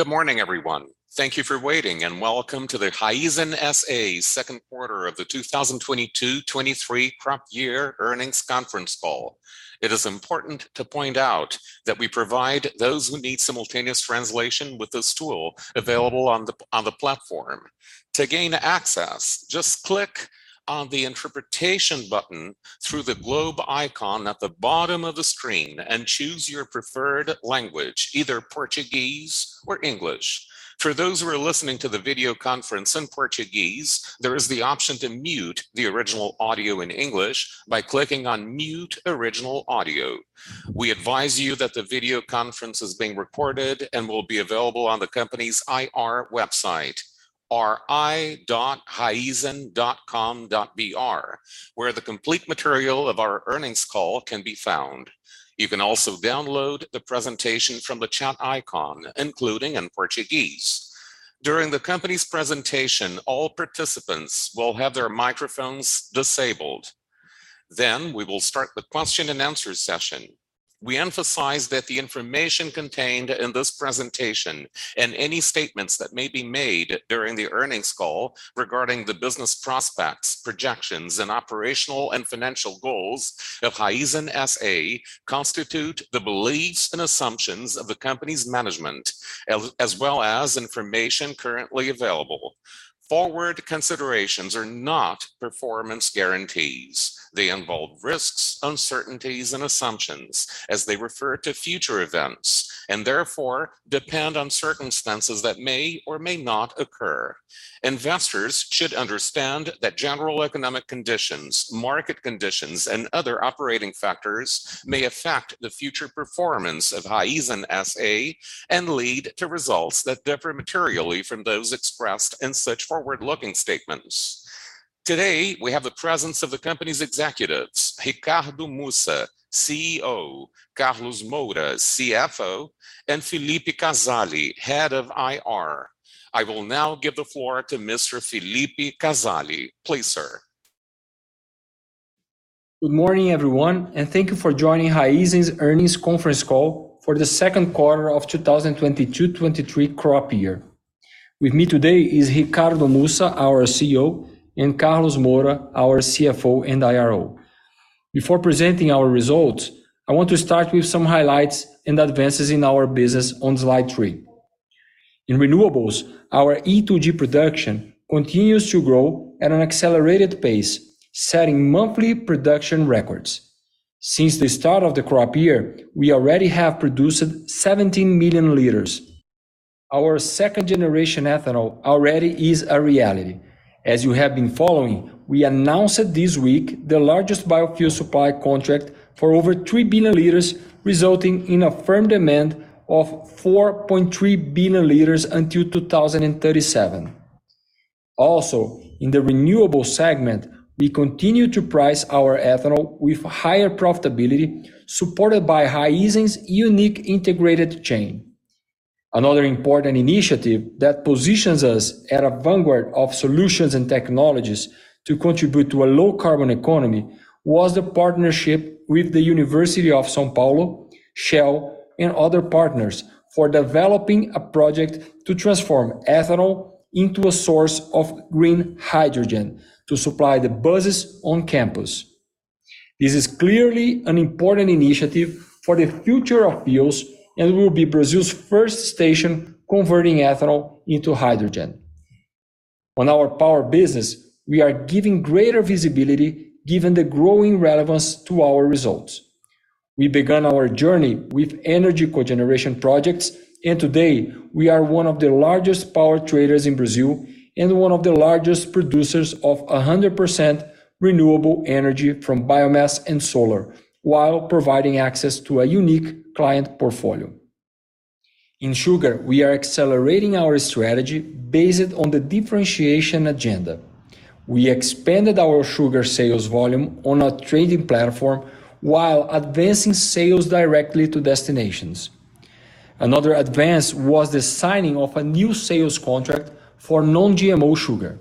Good morning, everyone. Thank you for waiting, and welcome to the Raízen S.A. second quarter of the 2022-2023 crop year earnings conference call. It is important to point out that we provide those who need simultaneous translation with this tool available on the platform. To gain access, just click on the interpretation button through the globe icon at the bottom of the screen and choose your preferred language, either Portuguese or English. For those who are listening to the video conference in Portuguese, there is the option to mute the original audio in English by clicking on Mute Original Audio. We advise you that the video conference is being recorded and will be available on the company's IR website, ri.raizen.com.br, where the complete material of our earnings call can be found. You can also download the presentation from the chat icon, including in Portuguese. During the company's presentation, all participants will have their microphones disabled. We will start the question-and-answer session. We emphasize that the information contained in this presentation and any statements that may be made during the earnings call regarding the business prospects, projections, and operational and financial goals of Raízen S.A. constitute the beliefs and assumptions of the company's management as well as information currently available. Forward-looking statements are not performance guarantees. They involve risks, uncertainties, and assumptions as they refer to future events, and therefore depend on circumstances that may or may not occur. Investors should understand that general economic conditions, market conditions, and other operating factors may affect the future performance of Raízen S.A. and lead to results that differ materially from those expressed in such forward-looking statements. Today, we have the presence of the company's executives, Ricardo Mussa, CEO, Carlos Moura, CFO, and Felipe Casali, Head of IR. I will now give the floor to Mr. Felipe Casali. Please, sir. Good morning, everyone, and thank you for joining Raízen's earnings conference call for the second quarter of the 2022-2023 crop year. With me today is Ricardo Mussa, our CEO, and Carlos Moura, our CFO and IRO. Before presenting our results, I want to start with some highlights and advances in our business on slide 3. In renewables, our E2G production continues to grow at an accelerated pace, setting monthly production records. Since the start of the crop year, we already have produced 17 million liters. Our second-generation ethanol already is a reality. As you have been following, we announced this week the largest biofuel supply contract for over three billion liters, resulting in a firm demand of 4.3 billion liters until 2037. Also, in the renewable segment, we continue to price our ethanol with higher profitability, supported by Raízen's unique integrated chain. Another important initiative that positions us at a vanguard of solutions and technologies to contribute to a low carbon economy was the partnership with the University of São Paulo, Shell, and other partners for developing a project to transform ethanol into a source of green hydrogen to supply the buses on campus. This is clearly an important initiative for the future of fuels and will be Brazil's first station converting ethanol into hydrogen. On our power business, we are giving greater visibility given the growing relevance to our results. We began our journey with energy cogeneration projects, and today we are one of the largest power traders in Brazil and one of the largest producers of 100% renewable energy from biomass and solar, while providing access to a unique client portfolio. In sugar, we are accelerating our strategy based on the differentiation agenda. We expanded our sugar sales volume on a trading platform while advancing sales directly to destinations. Another advance was the signing of a new sales contract for Non-GMO sugar.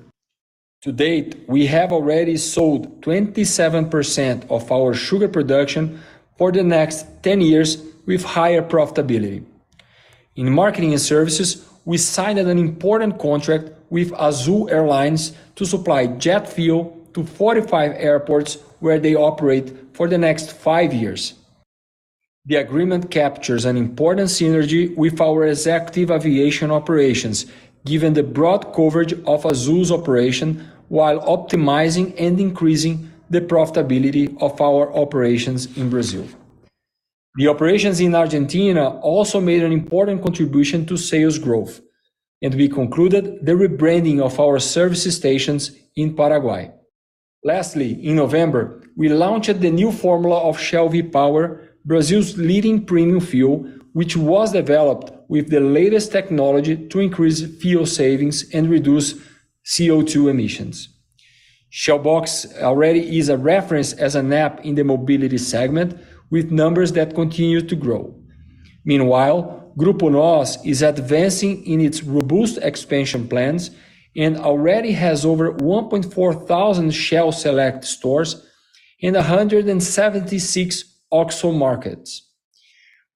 To date, we have already sold 27% of our sugar production for the next 10 years with higher profitability. In marketing and services, we signed an important contract with Azul Airlines to supply jet fuel to 45 airports where they operate for the next five years. The agreement captures an important synergy with our executive aviation operations, given the broad coverage of Azul's operation while optimizing and increasing the profitability of our operations in Brazil. The operations in Argentina also made an important contribution to sales growth, and we concluded the rebranding of our service stations in Paraguay. Lastly, in November, we launched the new formula of Shell V-Power, Brazil's leading premium fuel, which was developed with the latest technology to increase fuel savings and reduce CO2 emissions. Shell Box already is a reference as an app in the mobility segment with numbers that continue to grow. Meanwhile, Grupo Nós is advancing in its robust expansion plans and already has over 1,400 Shell Select stores in 176 OXXO markets.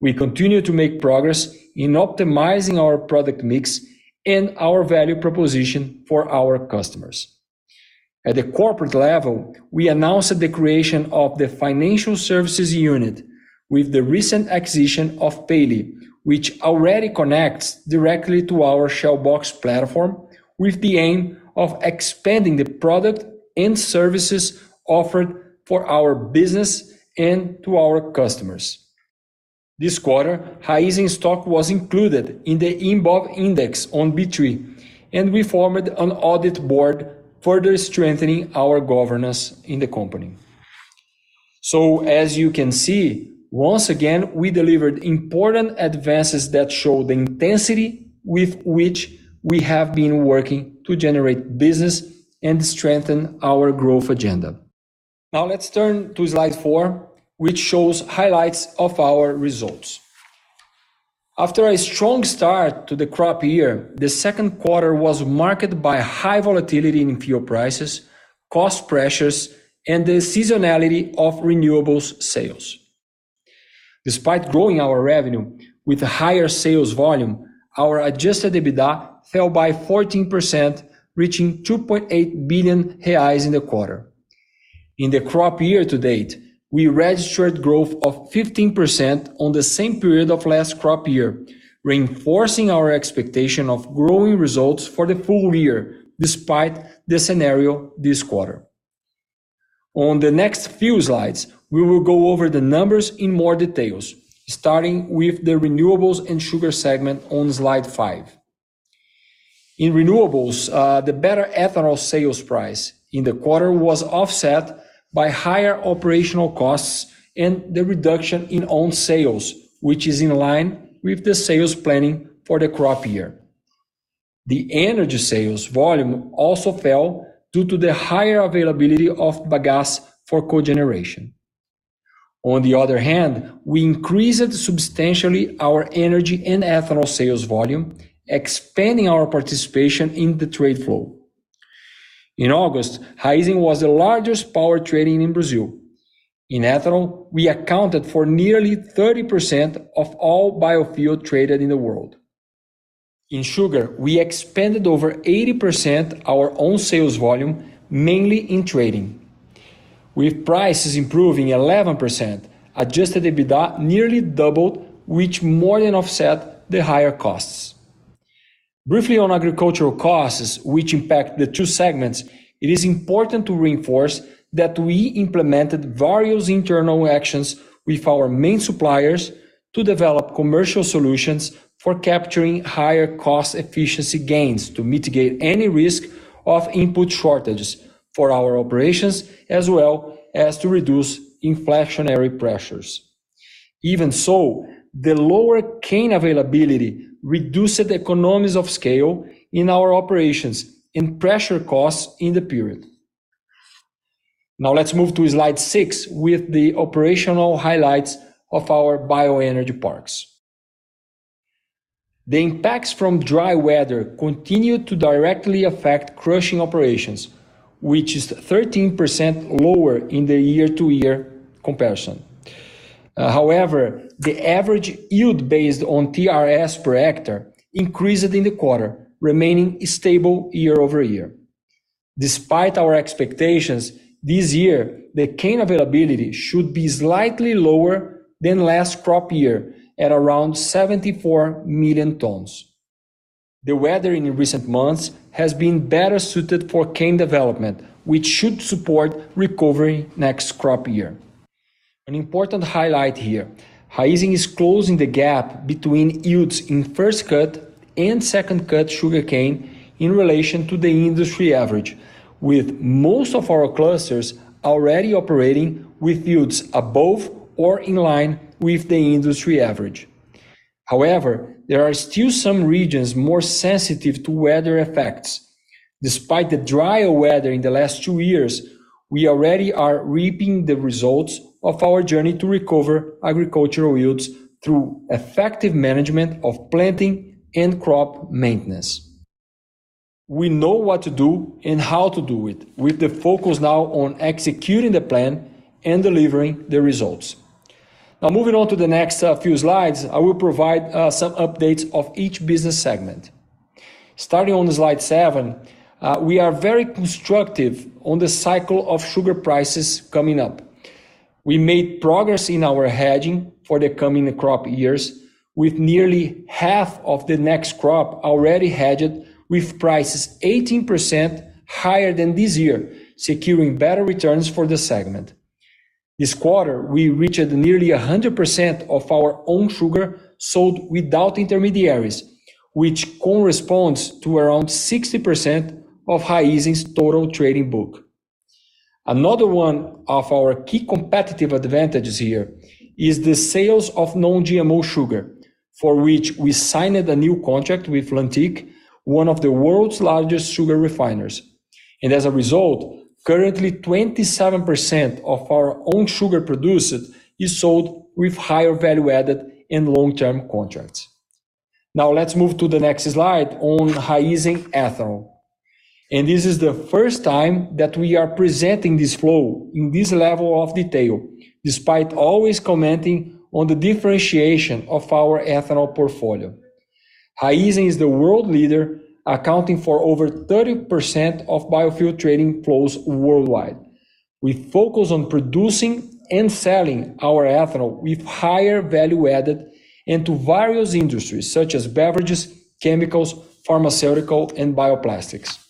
We continue to make progress in optimizing our product mix and our value proposition for our customers. At the corporate level, we announced the creation of the financial services unit with the recent acquisition of Payly, which already connects directly to our Shell Box platform with the aim of expanding the product and services offered for our business and to our customers. This quarter, Raízen stock was included in the Ibovespa Index on B3, and we formed an audit board, further strengthening our governance in the company. As you can see, once again, we delivered important advances that show the intensity with which we have been working to generate business and strengthen our growth agenda. Now let's turn to slide four, which shows highlights of our results. After a strong start to the crop year, the second quarter was marked by high volatility in fuel prices, cost pressures, and the seasonality of renewables sales. Despite growing our revenue with higher sales volume, our adjusted EBITDA fell by 14%, reaching 2.8 billion reais in the quarter. In the crop year to date, we registered growth of 15% on the same period of last crop year, reinforcing our expectation of growing results for the full year despite the scenario this quarter. On the next few slides, we will go over the numbers in more details, starting with the renewables and sugar segment on slide 5. In renewables, the better ethanol sales price in the quarter was offset by higher operational costs and the reduction in own sales, which is in line with the sales planning for the crop year. The energy sales volume also fell due to the higher availability of bagasse for cogeneration. On the other hand, we increased substantially our energy and ethanol sales volume, expanding our participation in the trade flow. In August, Raízen was the largest power trader in Brazil. In ethanol, we accounted for nearly 30% of all biofuel traded in the world. In sugar, we expanded over 80% our own sales volume, mainly in trading. With prices improving 11%, adjusted EBITDA nearly doubled, which more than offset the higher costs. Briefly on agricultural costs, which impact the two segments, it is important to reinforce that we implemented various internal actions with our main suppliers to develop commercial solutions for capturing higher cost efficiency gains to mitigate any risk of input shortages for our operations, as well as to reduce inflationary pressures. Even so, the lower cane availability reduced the economies of scale in our operations and pressured costs in the period. Now let's move to slide six with the operational highlights of our bioenergy parks. The impacts from dry weather continued to directly affect crushing operations, which is 13% lower in the year-to-year comparison. However, the average yield based on TRS per hectare increased in the quarter, remaining stable year-over-year. Despite our expectations, this year, the cane availability should be slightly lower than last crop year at around 74 million tons. The weather in recent months has been better suited for cane development, which should support recovery next crop year. An important highlight here, Raízen is closing the gap between yields in first cut and second cut sugarcane in relation to the industry average, with most of our clusters already operating with yields above or in line with the industry average. However, there are still some regions more sensitive to weather effects. Despite the drier weather in the last two years, we already are reaping the results of our journey to recover agricultural yields through effective management of planting and crop maintenance. We know what to do and how to do it with the focus now on executing the plan and delivering the results. Now, moving on to the next, few slides, I will provide, some updates of each business segment. Starting on slide seven, we are very constructive on the cycle of sugar prices coming up. We made progress in our hedging for the coming crop years with nearly half of the next crop already hedged with prices 18% higher than this year, securing better returns for the segment. This quarter, we reached nearly 100% of our own sugar sold without intermediaries, which corresponds to around 60% of Raízen's total trading book. Another one of our key competitive advantages here is the sales of non-GMO sugar, for which we signed a new contract with Lantic, one of the world's largest sugar refiners. As a result, currently 27% of our own sugar produced is sold with higher value added in long-term contracts. Now let's move to the next slide on Raízen Ethanol. This is the first time that we are presenting this flow in this level of detail, despite always commenting on the differentiation of our ethanol portfolio. Raízen is the world leader, accounting for over 30% of biofuel trading flows worldwide. We focus on producing and selling our ethanol with higher value added into various industries such as beverages, chemicals, pharmaceutical, and bioplastics.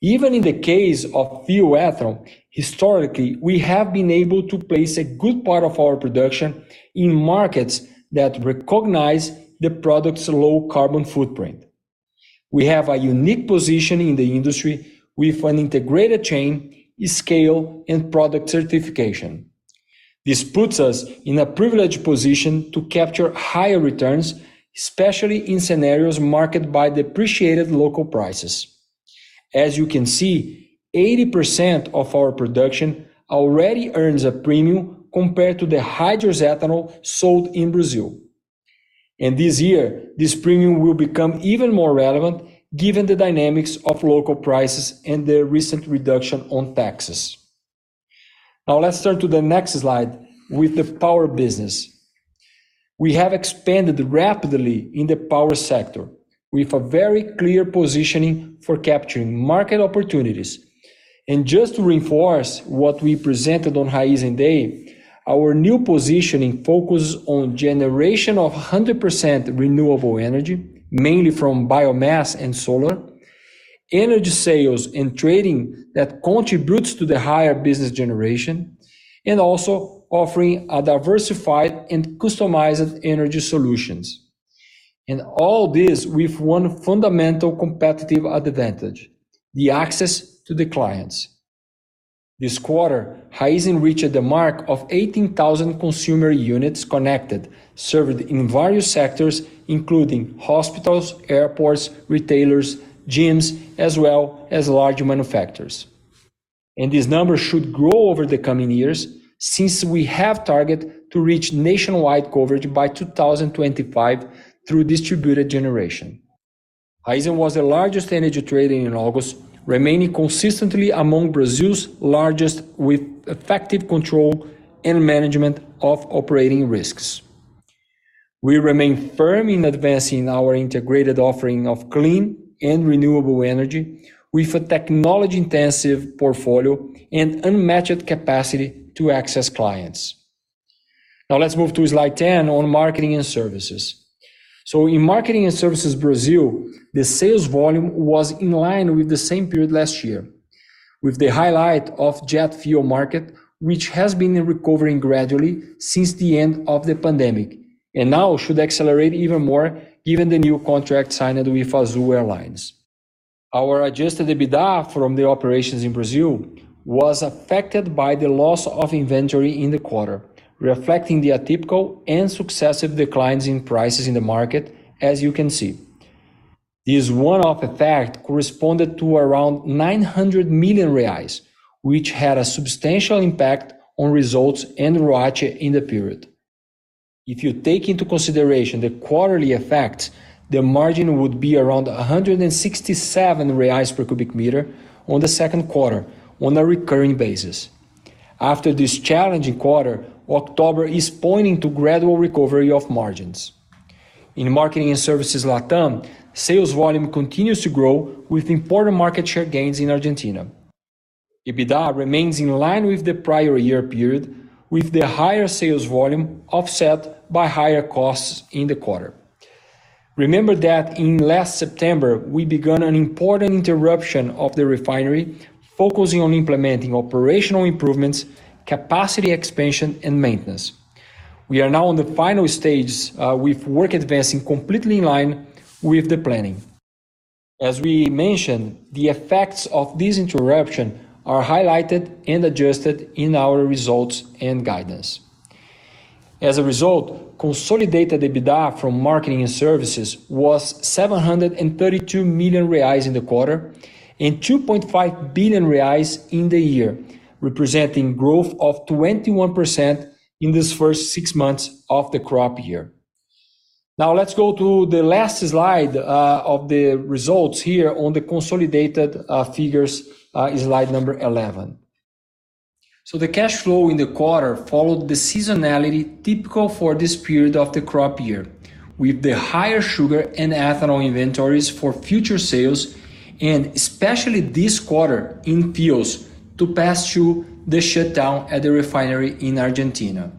Even in the case of fuel ethanol, historically, we have been able to place a good part of our production in markets that recognize the product's low carbon footprint. We have a unique position in the industry with an integrated chain, scale, and product certification. This puts us in a privileged position to capture higher returns, especially in scenarios marked by depreciated local prices. As you can see, 80% of our production already earns a premium compared to the hydrous ethanol sold in Brazil. This year, this premium will become even more relevant given the dynamics of local prices and the recent reduction on taxes. Now let's turn to the next slide with the power business. We have expanded rapidly in the power sector with a very clear positioning for capturing market opportunities. Just to reinforce what we presented on Raízen Day, our new positioning focuses on generation of 100% renewable energy, mainly from biomass and solar, energy sales and trading that contributes to the higher business generation, and also offering a diversified and customized energy solutions. All this with one fundamental competitive advantage, the access to the clients. This quarter, Raízen reached the mark of 18,000 consumer units connected, served in various sectors, including hospitals, airports, retailers, gyms, as well as large manufacturers. These numbers should grow over the coming years since we have target to reach nationwide coverage by 2025 through distributed generation. Raízen was the largest energy trader in August, remaining consistently among Brazil's largest with effective control and management of operating risks. We remain firm in advancing our integrated offering of clean and renewable energy with a technology-intensive portfolio and unmatched capacity to access clients. Now let's move to slide 10 on Marketing and Services. In Marketing and Services Brazil, the sales volume was in line with the same period last year, with the highlight of jet fuel market, which has been recovering gradually since the end of the pandemic, and now should accelerate even more given the new contract signed with Azul Airlines. Our adjusted EBITDA from the operations in Brazil was affected by the loss of inventory in the quarter, reflecting the atypical and successive declines in prices in the market, as you can see. This one-off effect corresponded to around 900 million reais, which had a substantial impact on results and ROACE in the period. If you take into consideration the quarterly effects, the margin would be around 167 reais per cubic meter on the second quarter on a recurring basis. After this challenging quarter, October is pointing to gradual recovery of margins. In Marketing and Services LATAM, sales volume continues to grow with important market share gains in Argentina. EBITDA remains in line with the prior year period, with the higher sales volume offset by higher costs in the quarter. Remember that in last September, we began an important interruption of the refinery, focusing on implementing operational improvements, capacity expansion, and maintenance. We are now in the final stages, with work advancing completely in line with the planning. As we mentioned, the effects of this interruption are highlighted and adjusted in our results and guidance. As a result, consolidated EBITDA from marketing and services was 732 million reais in the quarter and 2.5 billion reais in the year, representing growth of 21% in this first six months of the crop year. Now let's go to the last slide, of the results here on the consolidated, figures, in slide number 11. The cash flow in the quarter followed the seasonality typical for this period of the crop year, with the higher sugar and ethanol inventories for future sales and especially this quarter in fuels to pass through the shutdown at the refinery in Argentina.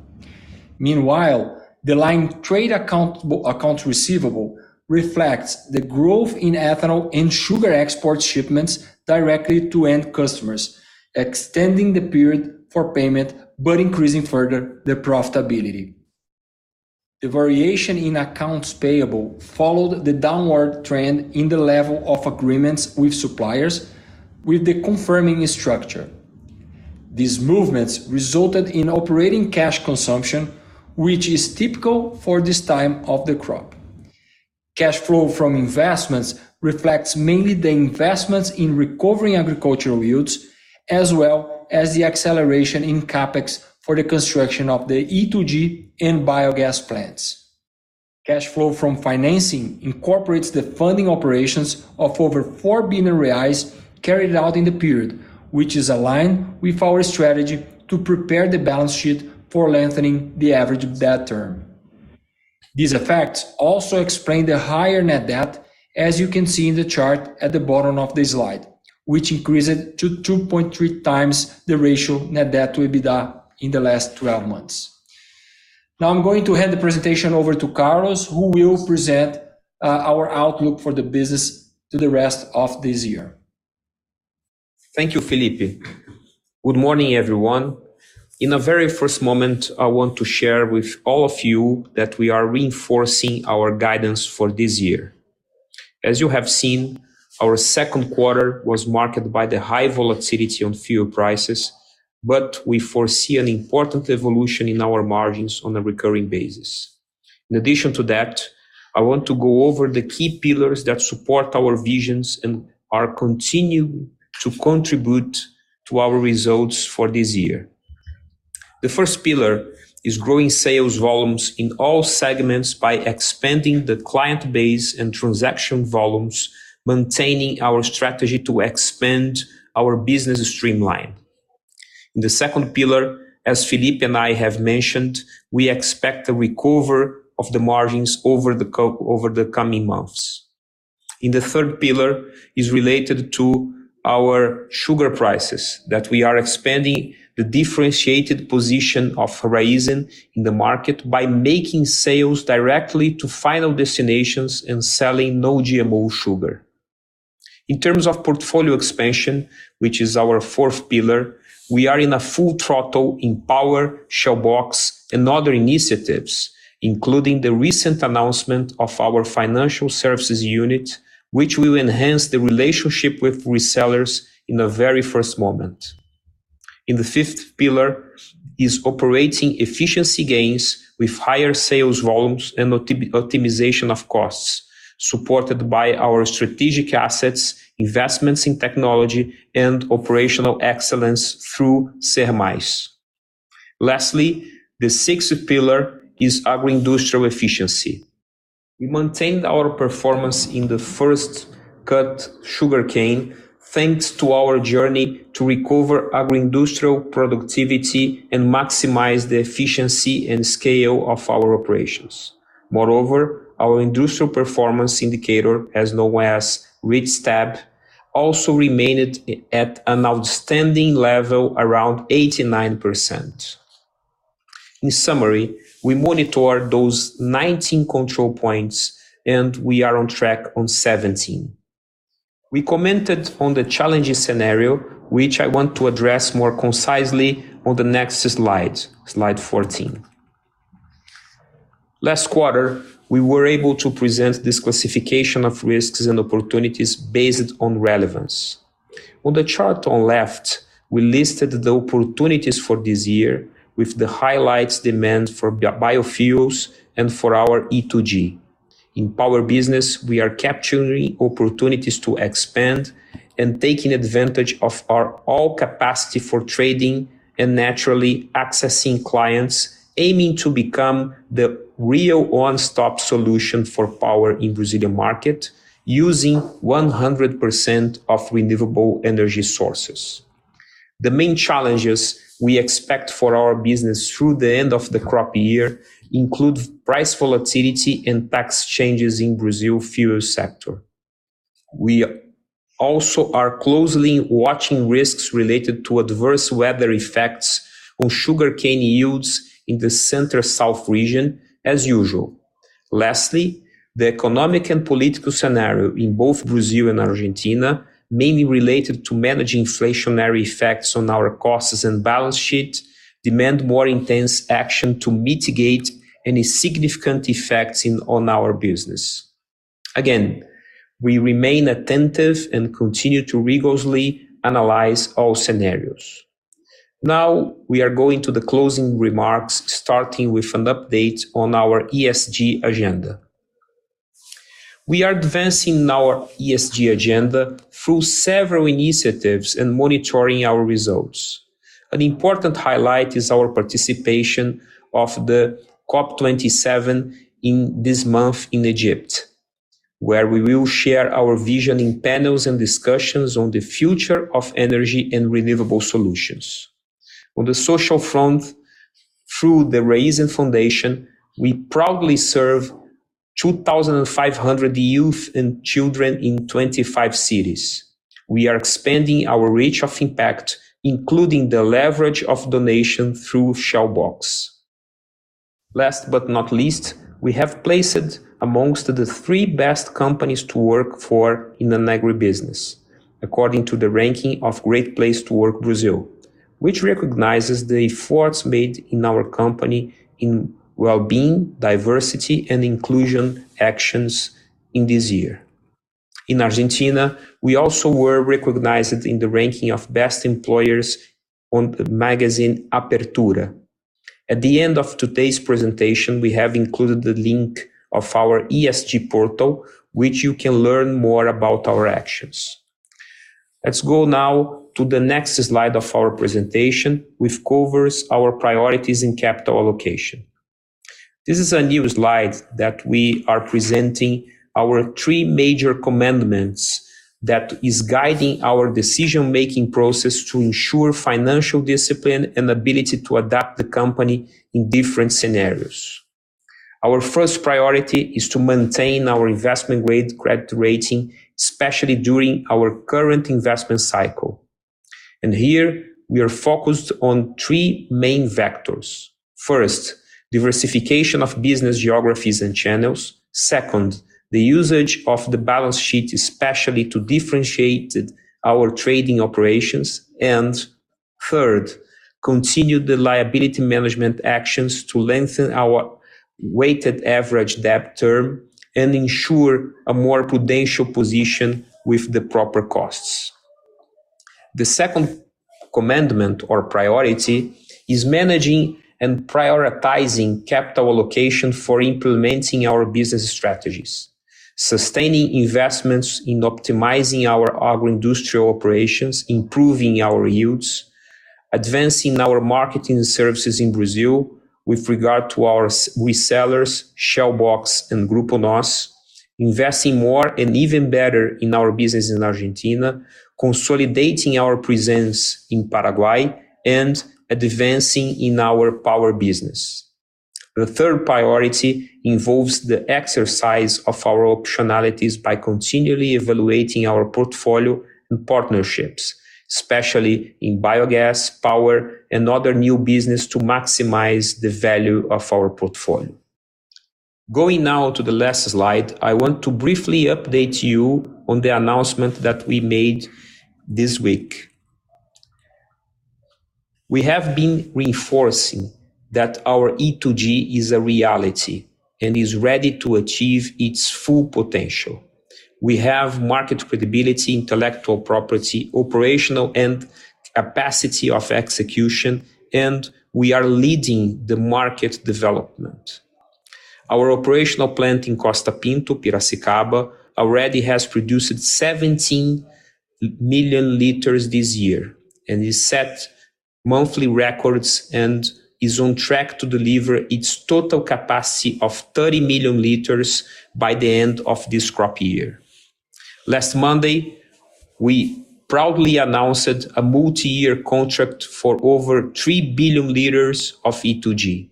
Meanwhile, the net trade accounts receivable reflects the growth in ethanol and sugar export shipments directly to end customers, extending the period for payment but increasing further the profitability. The variation in accounts payable followed the downward trend in the level of agreements with suppliers with the confirming structure. These movements resulted in operating cash consumption, which is typical for this time of the crop. Cash flow from investments reflects mainly the investments in recovering agricultural yields. As well as the acceleration in CapEx for the construction of the E2G and biogas plants. Cash flow from financing incorporates the funding operations of over four billion reais carried out in the period, which is aligned with our strategy to prepare the balance sheet for lengthening the average debt term. These effects also explain the higher net debt, as you can see in the chart at the bottom of the slide, which increased to 2.3 times the net debt to EBITDA ratio in the last 12 months. Now I'm going to hand the presentation over to Carlos, who will present our outlook for the business to the rest of this year. Thank you, Felipe. Good morning, everyone. In the very first moment, I want to share with all of you that we are reinforcing our guidance for this year. As you have seen, our second quarter was marked by the high volatility on fuel prices, but we foresee an important evolution in our margins on a recurring basis. In addition to that, I want to go over the key pillars that support our visions and are continuing to contribute to our results for this year. The first pillar is growing sales volumes in all segments by expanding the client base and transaction volumes, maintaining our strategy to expand our business streamline. The second pillar, as Felipe and I have mentioned, we expect a recovery of the margins over the coming months. In the third pillar is related to our sugar prices, that we are expanding the differentiated position of Raízen in the market by making sales directly to final destinations and selling no GMO sugar. In terms of portfolio expansion, which is our fourth pillar, we are in a full throttle in power, Shell Box and other initiatives, including the recent announcement of our financial services unit, which will enhance the relationship with resellers in the very first moment. In the fifth pillar is operating efficiency gains with higher sales volumes and optimization of costs, supported by our strategic assets, investments in technology and operational excellence through SER+. Lastly, the sixth pillar is agroindustrial efficiency. We maintained our performance in the first cut sugarcane thanks to our journey to recover agroindustrial productivity and maximize the efficiency and scale of our operations. Moreover, our industrial performance indicator, as known as RIT/Stab, also remained at an outstanding level around 89%. In summary, we monitor those 19 control points and we are on track on 17. We commented on the challenging scenario, which I want to address more concisely on the next slide 14. Last quarter, we were able to present this classification of risks and opportunities based on relevance. On the chart on left, we listed the opportunities for this year with the highlights demand for biofuels and for our E2G. In power business, we are capturing opportunities to expand and taking advantage of our full capacity for trading and naturally accessing clients, aiming to become the real one-stop solution for power in Brazilian market using 100% of renewable energy sources. The main challenges we expect for our business through the end of the crop year include price volatility and tax changes in Brazil's fuel sector. We also are closely watching risks related to adverse weather effects on sugarcane yields in the Center-South region as usual. Lastly, the economic and political scenario in both Brazil and Argentina, mainly related to managing inflationary effects on our costs and balance sheet, demand more intense action to mitigate any significant effects on our business. Again, we remain attentive and continue to rigorously analyze all scenarios. Now, we are going to the closing remarks, starting with an update on our ESG agenda. We are advancing our ESG agenda through several initiatives and monitoring our results. An important highlight is our participation in the COP27 this month in Egypt, where we will share our vision in panels and discussions on the future of energy and renewable solutions. On the social front, through the Raízen Foundation, we proudly serve 2,500 youth and children in 25 cities. We are expanding our reach of impact, including the leverage of donation through Shell Box. Last but not least, we have placed among the three best companies to work for in the agribusiness, according to the ranking of Great Place to Work Brazil, which recognizes the efforts made in our company in well-being, diversity and inclusion actions in this year. In Argentina, we also were recognized in the ranking of best employers on the magazine Apertura. At the end of today's presentation, we have included the link of our ESG portal, which you can learn more about our actions. Let's go now to the next slide of our presentation, which covers our priorities in capital allocation. This is a new slide that we are presenting our three major commandments that is guiding our decision-making process to ensure financial discipline and ability to adapt the company in different scenarios. Our first priority is to maintain our investment-grade credit rating, especially during our current investment cycle. Here we are focused on three main vectors. First, diversification of business geographies and channels. Second, the usage of the balance sheet, especially to differentiate our trading operations. Third, continue the liability management actions to lengthen our weighted average debt term and ensure a more prudential position with the proper costs. The second commandment or priority is managing and prioritizing capital allocation for implementing our business strategies, sustaining investments in optimizing our agro-industrial operations, improving our yields, advancing our marketing services in Brazil with regard to our resellers, Shell Box and Grupo Nós, investing more and even better in our business in Argentina, consolidating our presence in Paraguay, and advancing in our power business. The third priority involves the exercise of our optionalities by continually evaluating our portfolio and partnerships, especially in biogas, power, and other new business to maximize the value of our portfolio. Going now to the last slide, I want to briefly update you on the announcement that we made this week. We have been reinforcing that our E2G is a reality and is ready to achieve its full potential. We have market credibility, intellectual property, operational and capacity of execution, and we are leading the market development. Our operational plant in Costa Pinto, Piracicaba, already has produced 17 million liters this year and has set monthly records and is on track to deliver its total capacity of 30 million liters by the end of this crop year. Last Monday, we proudly announced a multiyear contract for over 3 billion liters of E2G.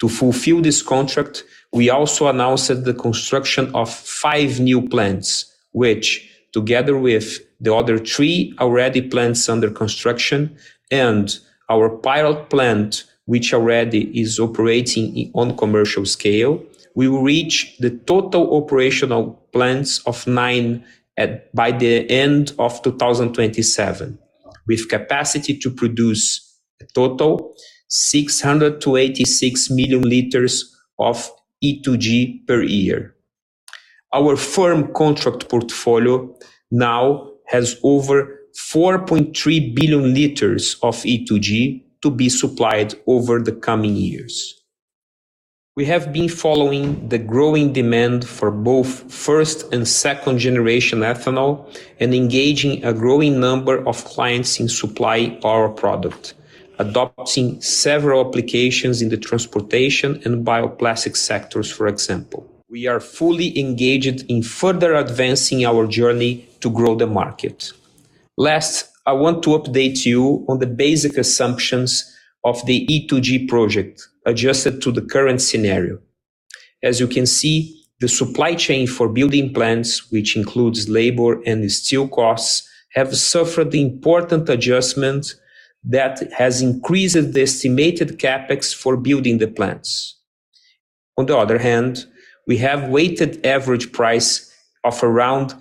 To fulfill this contract, we also announced the construction of five new plants, which together with the other three already plants under construction and our pilot plant, which already is operating on commercial scale, we will reach the total operational plants of nine by the end of 2027, with capacity to produce a total 686 million liters of E2G per year. Our firm contract portfolio now has over 4.3 billion liters of E2G to be supplied over the coming years. We have been following the growing demand for both first and second generation ethanol and engaging a growing number of clients to supply our product, adopting several applications in the transportation and bioplastic sectors, for example. We are fully engaged in further advancing our journey to grow the market. Last, I want to update you on the basic assumptions of the E2G project adjusted to the current scenario. As you can see, the supply chain for building plants, which includes labor and steel costs, have suffered important adjustments that has increased the estimated CapEx for building the plants. On the other hand, we have weighted average price of around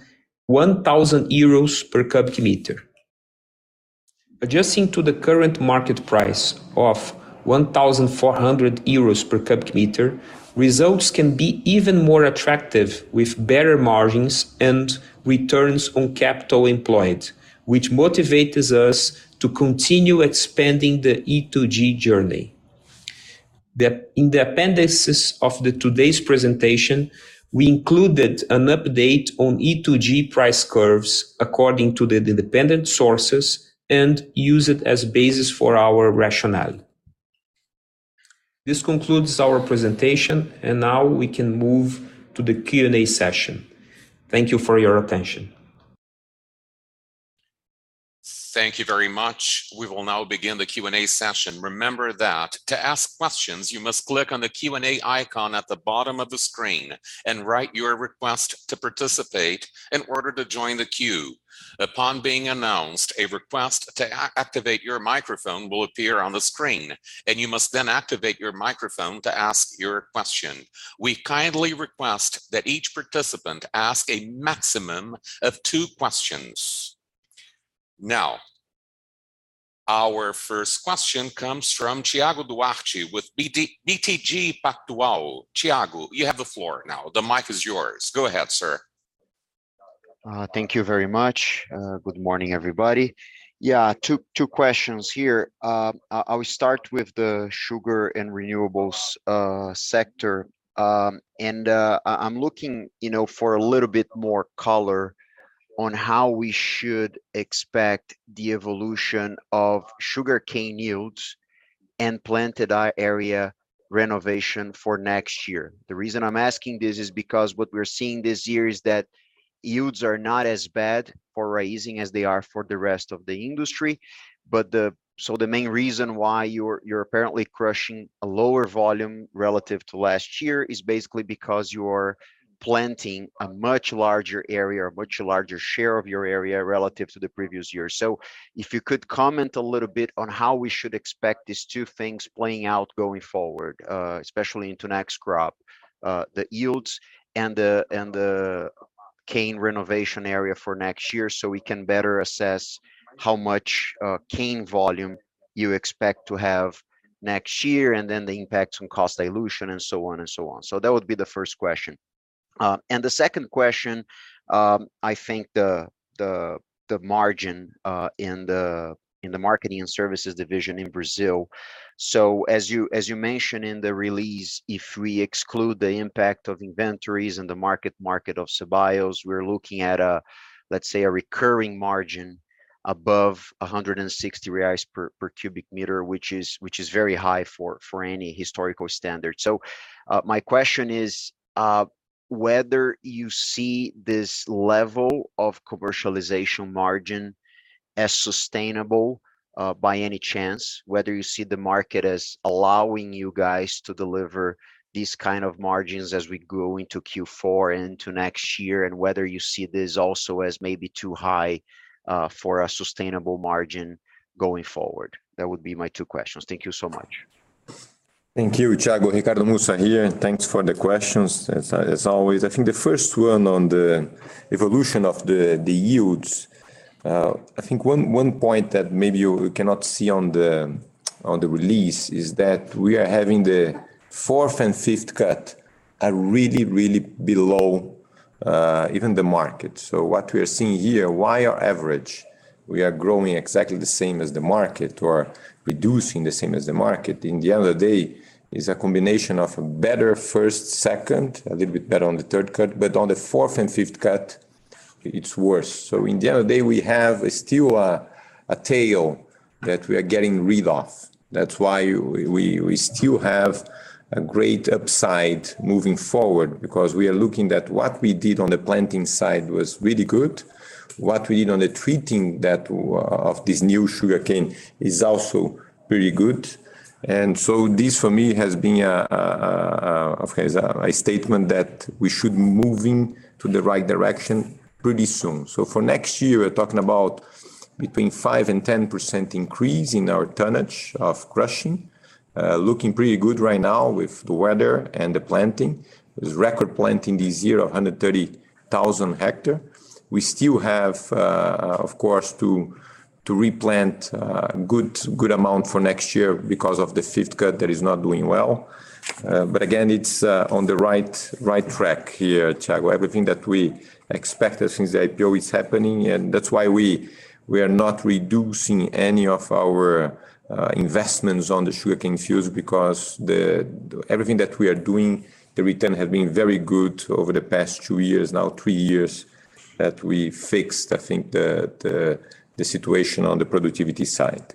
1,000 euros per cubic meter. Adjusting to the current market price of 1,400 euros per cubic meter, results can be even more attractive with better margins and returns on capital employed, which motivates us to continue expanding the E2G journey. In the appendices of today's presentation, we included an update on E2G price curves according to the independent sources and use it as basis for our rationale. This concludes our presentation, and now we can move to the Q&A session. Thank you for your attention. Thank you very much. We will now begin the Q&A session. Remember that to ask questions, you must click on the Q&A icon at the bottom of the screen and write your request to participate in order to join the queue. Upon being announced, a request to activate your microphone will appear on the screen, and you must then activate your microphone to ask your question. We kindly request that each participant ask a maximum of two questions. Now, our first question comes from Thiago Duarte with BTG Pactual. Thiago, you have the floor now. The mic is yours. Go ahead, sir. Thank you very much. Good morning, everybody. Yeah, two questions here. I will start with the sugar and renewables sector. I'm looking, you know, for a little bit more color on how we should expect the evolution of sugarcane yields and planted area renovation for next year. The reason I'm asking this is because what we're seeing this year is that yields are not as bad for Raízen as they are for the rest of the industry. The main reason why you're apparently crushing a lower volume relative to last year is basically because you're planting a much larger area, a much larger share of your area relative to the previous year. If you could comment a little bit on how we should expect these two things playing out going forward, especially into next crop, the yields and the cane renovation area for next year so we can better assess how much cane volume you expect to have next year, and then the impacts on cost dilution and so on. That would be the first question. The second question, I think the margin in the marketing and services division in Brazil. As you mentioned in the release, if we exclude the impact of inventories and the market of CBIOs, we're looking at a, let's say, a recurring margin above 160 reais per cubic meter, which is very high for any historical standard. My question is whether you see this level of commercialization margin as sustainable, by any chance? Whether you see the market as allowing you guys to deliver these kind of margins as we go into Q4 and into next year, and whether you see this also as maybe too high, for a sustainable margin going forward. That would be my two questions. Thank you so much. Thank you, Thiago. Ricardo Mussa here, and thanks for the questions as always. I think the first one on the evolution of the yields. I think one point that maybe you cannot see on the release is that we are having the fourth and fifth cut are really below even the market. What we are seeing here, while average we are growing exactly the same as the market or reducing the same as the market, in the end of the day is a combination of a better first, second, a little bit better on the third cut, but on the fourth and fifth cut, it's worse. In the end of the day, we have still a tail that we are getting rid of. That's why we still have a great upside moving forward because we are looking at what we did on the planting side was really good. What we did on the treating of this new sugarcane is also very good. This for me has been, of course, a statement that we should moving to the right direction pretty soon. For next year, we're talking about between 5% and 10% increase in our tonnage of crushing. Looking pretty good right now with the weather and the planting. It was record planting this year of 130,000 hectares. We still have, of course, to replant good amount for next year because of the fifth cut that is not doing well. But again, it's on the right track here, Thiago. Everything that we expect since the IPO is happening, and that's why we are not reducing any of our investments on the sugarcane fields because everything that we are doing, the return has been very good over the past two years now, three years, that we fixed, I think, the situation on the productivity side.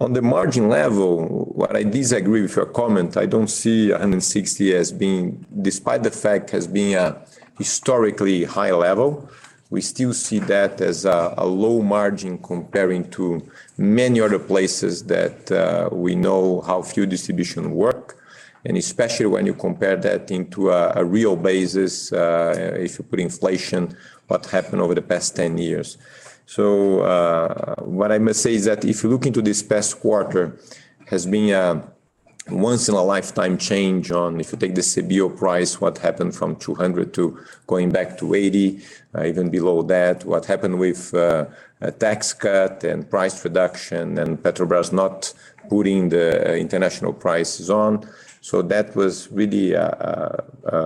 On the margin level, where I disagree with your comment, I don't see 160 as being, despite the fact as being a historically high level, we still see that as a low margin comparing to many other places that we know how fuel distribution works, and especially when you compare that on a real basis, if you adjust for inflation, what happened over the past 10 years. What I must say is that if you look into this past quarter, has been a once in a lifetime change on if you take the CBIO price, what happened from 200 to going back to 80, even below that. What happened with a tax cut and price reduction and Petrobras not putting the international prices on. That was really,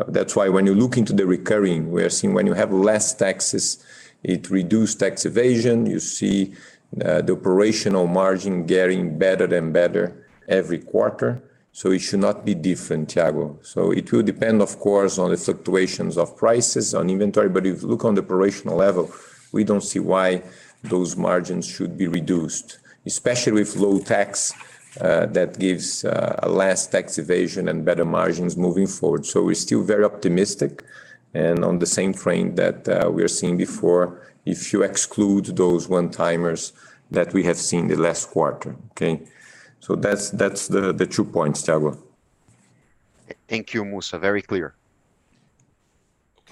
that's why when you look into the recurring, we are seeing when you have less taxes, it reduced tax evasion. You see, the operational margin getting better and better every quarter. It should not be different, Thiago. It will depend, of course, on the fluctuations of prices on inventory. If you look on the operational level, we don't see why those margins should be reduced, especially with low tax that gives less tax evasion and better margins moving forward. We're still very optimistic and on the same frame that we are seeing before, if you exclude those one-timers that we have seen the last quarter. Okay? That's the two points, Thiago. Thank you, Mussa. Very clear.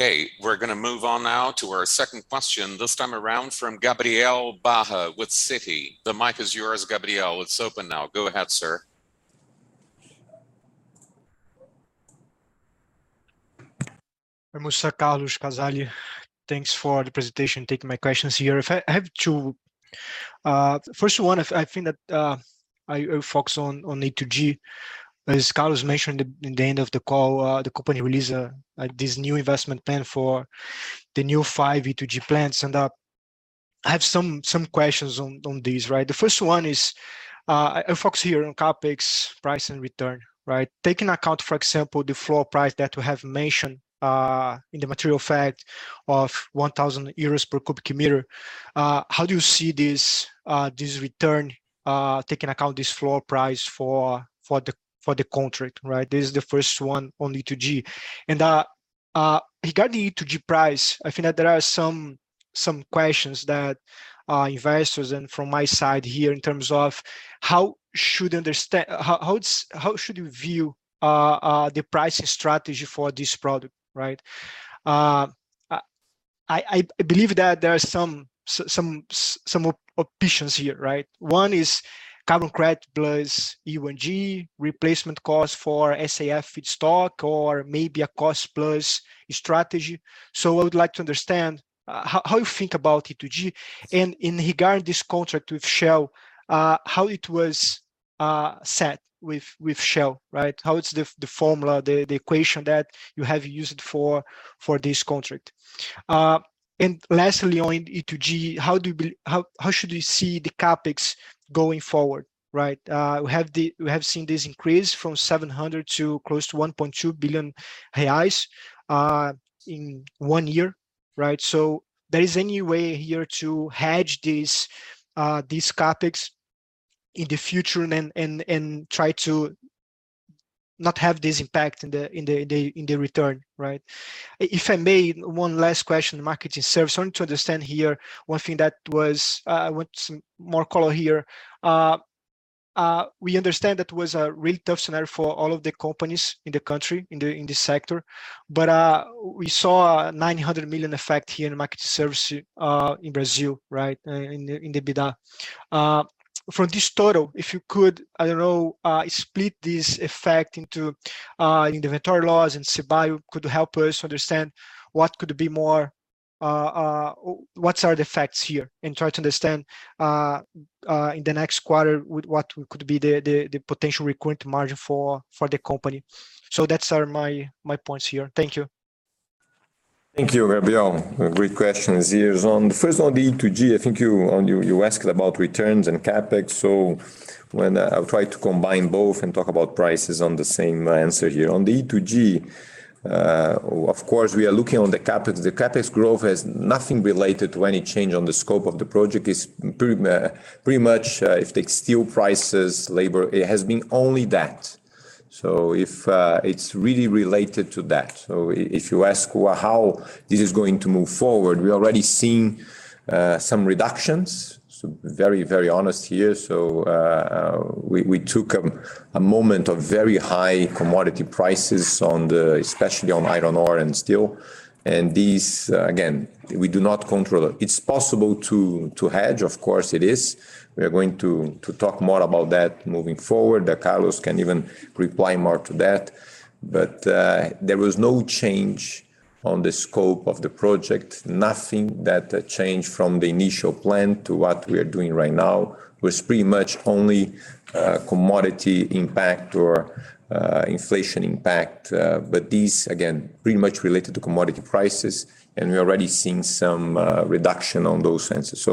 Okay, we're gonna move on now to our second question, this time around from Gabriel Barra with Citi. The mic is yours, Gabriel. It's open now. Go ahead, sir. Hi, Mussa, Carlos Casali. Thanks for the presentation, taking my questions here. If I have two. First one, I think that I focus on E2G. As Carlos mentioned in the end of the call, the company released this new investment plan for the new five E2G plants. I have some questions on this, right? The first one is, I focus here on CapEx price and return, right? Taking account, for example, the floor price that we have mentioned in the material fact of 1,000 euros per cubic meter, how do you see this return, taking account this floor price for the contract, right? This is the first one on E2G. Regarding E2G price, I think that there are some questions that investors and from my side here in terms of how should you view the pricing strategy for this product, right? I believe that there are some opinions here, right? One is carbon credit plus E1G replacement cost for SAF feedstock or maybe a cost plus strategy. I would like to understand how you think about E2G. In regard this contract with Shell, how it was set with Shell, right? How it's the formula, the equation that you have used for this contract. Lastly on E2G, how should we see the CapEx going forward, right? We have seen this increase from 700 million to close to 1.2 billion reais in one year, right? There is any way here to hedge this CapEx in the future and try to not have this impact in the return, right? If I may, one last question, Marketing Services. Trying to understand here one thing that was, I want some more color here. We understand that was a really tough scenario for all of the companies in the country, in this sector, but we saw a 900 million effect here in the Marketing Services in Brazil, right? In the EBITDA. From this total, if you could, I don't know, split this effect into the inventory loss and see if could help us understand what could be more, what are the effects here, and try to understand, in the next quarter, what could be the potential recurrent margin for the company. Those are my points here. Thank you. Thank you, Gabriel. Great questions here. On the first one, the E2G, I think you asked about returns and CapEx, so when I'll try to combine both and talk about prices on the same answer here. On the E2G, of course, we are looking on the CapEx. The CapEx growth has nothing related to any change on the scope of the project. It's pretty much if the steel prices, labor, it has been only that. If it's really related to that. If you ask how this is going to move forward, we already seen some reductions. Very, very honest here. We took a moment of very high commodity prices on the, especially on iron ore and steel. These, again, we do not control it. It's possible to hedge, of course, it is. We are going to talk more about that moving forward. That Carlos can even reply more to that. There was no change on the scope of the project. Nothing that changed from the initial plan to what we are doing right now was pretty much only commodity impact or inflation impact. These again pretty much related to commodity prices, and we're already seeing some reduction on those expenses.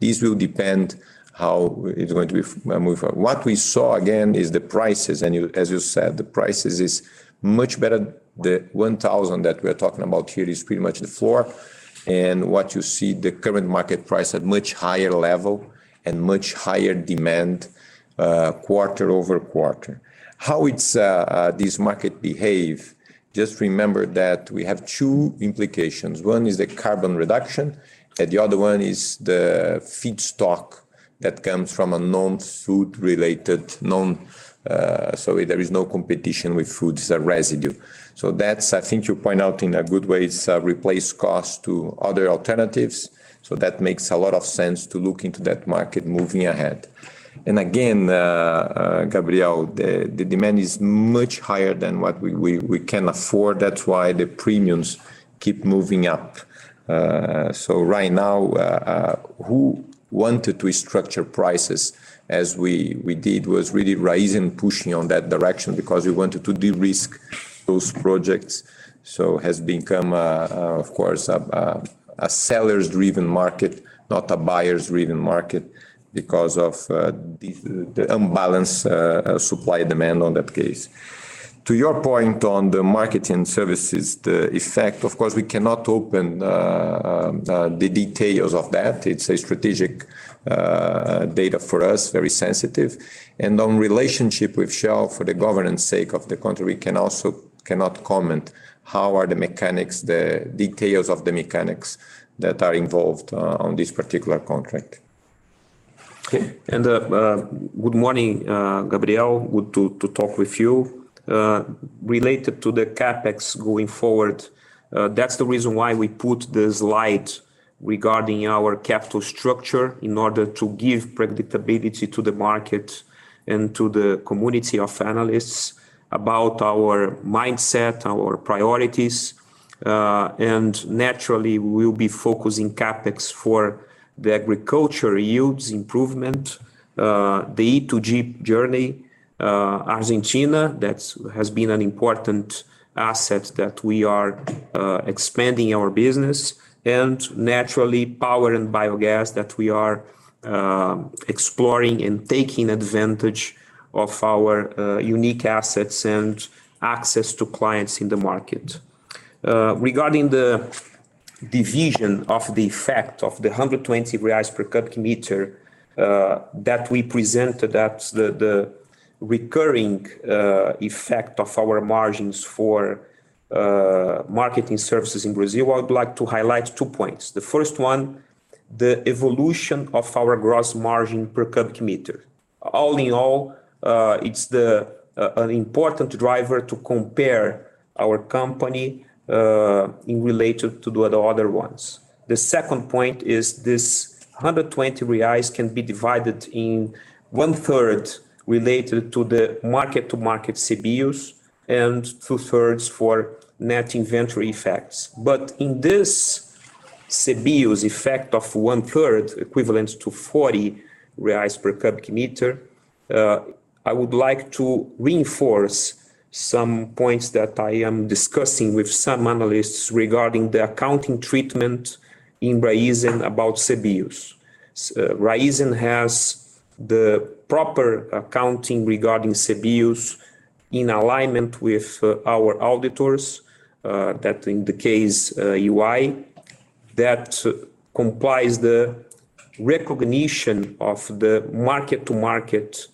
This will depend how it's going to be move forward. What we saw again is the prices and you, as you said, the prices is much better. The 1,000 that we're talking about here is pretty much the floor and what you see the current market price at much higher level and much higher demand quarter-over-quarter. How is this market behaving? Just remember that we have two implications. One is the carbon reduction, and the other one is the feedstock that comes from a non-food related, so there is no competition with food, it's a residue. So that's, I think you point out in a good way, it's a replacement cost to other alternatives. So that makes a lot of sense to look into that market moving ahead. Again, Gabriel, the demand is much higher than what we can afford. That's why the premiums keep moving up. So right now, who wanted to structure prices as we did was really Raízen pushing on that direction because we wanted to de-risk those projects. It has become, of course, a seller-driven market, not a buyer-driven market because of the imbalance supply and demand in that case. To your point on the marketing services, the effect, of course, we cannot open the details of that. It's a strategic data for us, very sensitive. On relationship with Shell for the governance sake of the country, we can also cannot comment how are the mechanics, the details of the mechanics that are involved on this particular contract. Okay. Good morning, Gabriel. Good to talk with you. Related to the CapEx going forward, that's the reason why we put the slide regarding our capital structure in order to give predictability to the market and to the community of analysts about our mindset, our priorities. Naturally we will be focusing CapEx for the agriculture yields improvement, the E to G journey, Argentina that has been an important asset that we are expanding our business and naturally power and biogas that we are exploring and taking advantage of our unique assets and access to clients in the market. R egarding the division of the effect of the 120 reais per cubic meter that we presented, that's the recurring effect of our margins for marketing services in Brazil. I would like to highlight two points. The first one, the evolution of our gross margin per cubic meter. All in all, it's an important driver to compare our company in relation to the other ones. The second point is this 120 reais can be divided in one third related to the mark-to-market CBIOs and two thirds for net inventory effects. In this CBIOs effect of one third equivalent to 40 reais per cubic meter, I would like to reinforce some points that I am discussing with some analysts regarding the accounting treatment in Raízen about CBIOs. Raízen has the proper accounting regarding CBIOs in alignment with our auditors, that in the case EY, that complies the recognition of the mark-to-market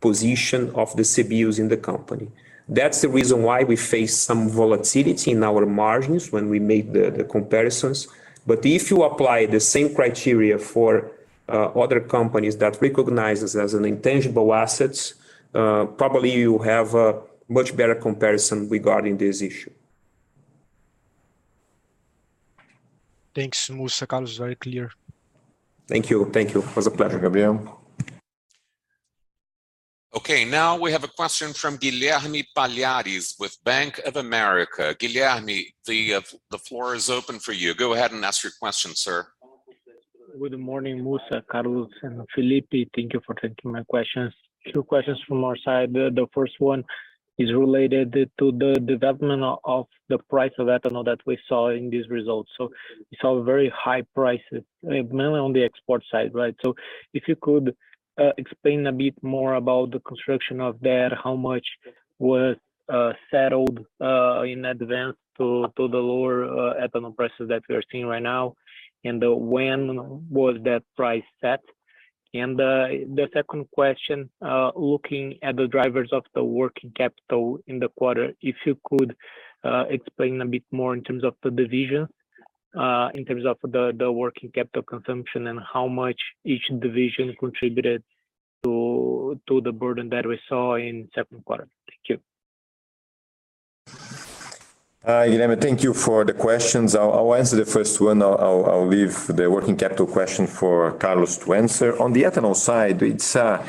position of the CBIOs in the company. That's the reason why we face some volatility in our margins when we made the comparisons. If you apply the same criteria for other companies that recognizes as an intangible assets, probably you have a much better comparison regarding this issue. Thanks, Mussa, Carlos. Very clear. Thank you. It was a pleasure, Gabriel. Okay. Now we have a question from Guilherme Palhares with Bank of America. Guilherme, the floor is open for you. Go ahead and ask your question, sir. Good morning, Mussa, Carlos, and Felipe. Thank you for taking my questions. Two questions from our side. The first one is related to the development of the price of ethanol that we saw in these results. We saw very high prices, mainly on the export side, right? If you could explain a bit more about the construction of that, how much was settled in advance to the lower ethanol prices that we are seeing right now, and when was that price set? The second question, looking at the drivers of the working capital in the quarter, if you could explain a bit more in terms of the division, in terms of the working capital consumption and how much each division contributed to the burden that we saw in second quarter. Thank you. Guilherme, thank you for the questions. I'll answer the first one. I'll leave the working capital question for Carlos to answer. On the ethanol side, it's a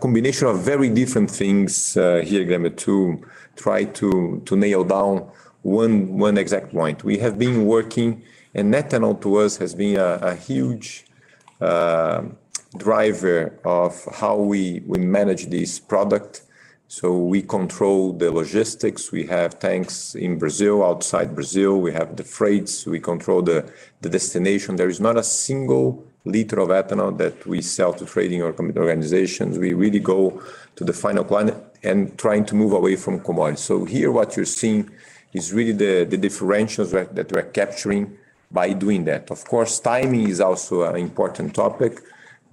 combination of very different things here, Guilherme, to try to nail down one exact point. We have been working. Ethanol to us has been a huge driver of how we manage this product. We control the logistics. We have tanks in Brazil, outside Brazil. We have the freights. We control the destination. There is not a single liter of ethanol that we sell to trading organizations. We really go to the final client and trying to move away from commodity. Here what you're seeing is really the differentials that we're capturing by doing that. Of course, timing is also an important topic,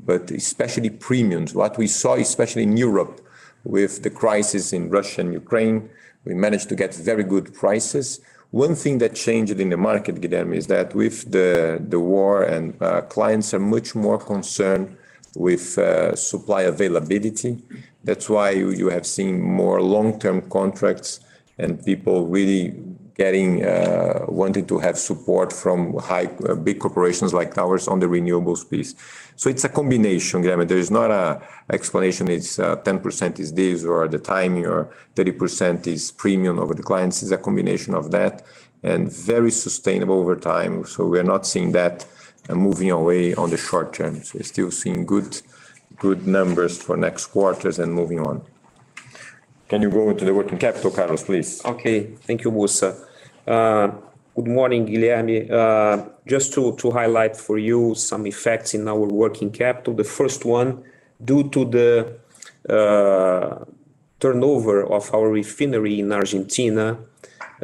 but especially premiums. What we saw, especially in Europe with the crisis in Russia and Ukraine, we managed to get very good prices. One thing that changed in the market, Guilherme, is that with the war and clients are much more concerned with supply availability. That's why you have seen more long-term contracts and people really getting wanting to have support from high big corporations like ours on the renewables piece. It's a combination, Guilherme. There is not a explanation, it's ten percent is this or the timing, or thirty percent is premium over the clients. It's a combination of that and very sustainable over time. We are not seeing that moving away in the short term. We're still seeing good numbers for next quarters and moving on. Can you go into the working capital, Carlos, please? Okay. Thank you, Mussa. Good morning, Guilherme. Just to highlight for you some effects in our working capital. The first one, due to the turnover of our refinery in Argentina,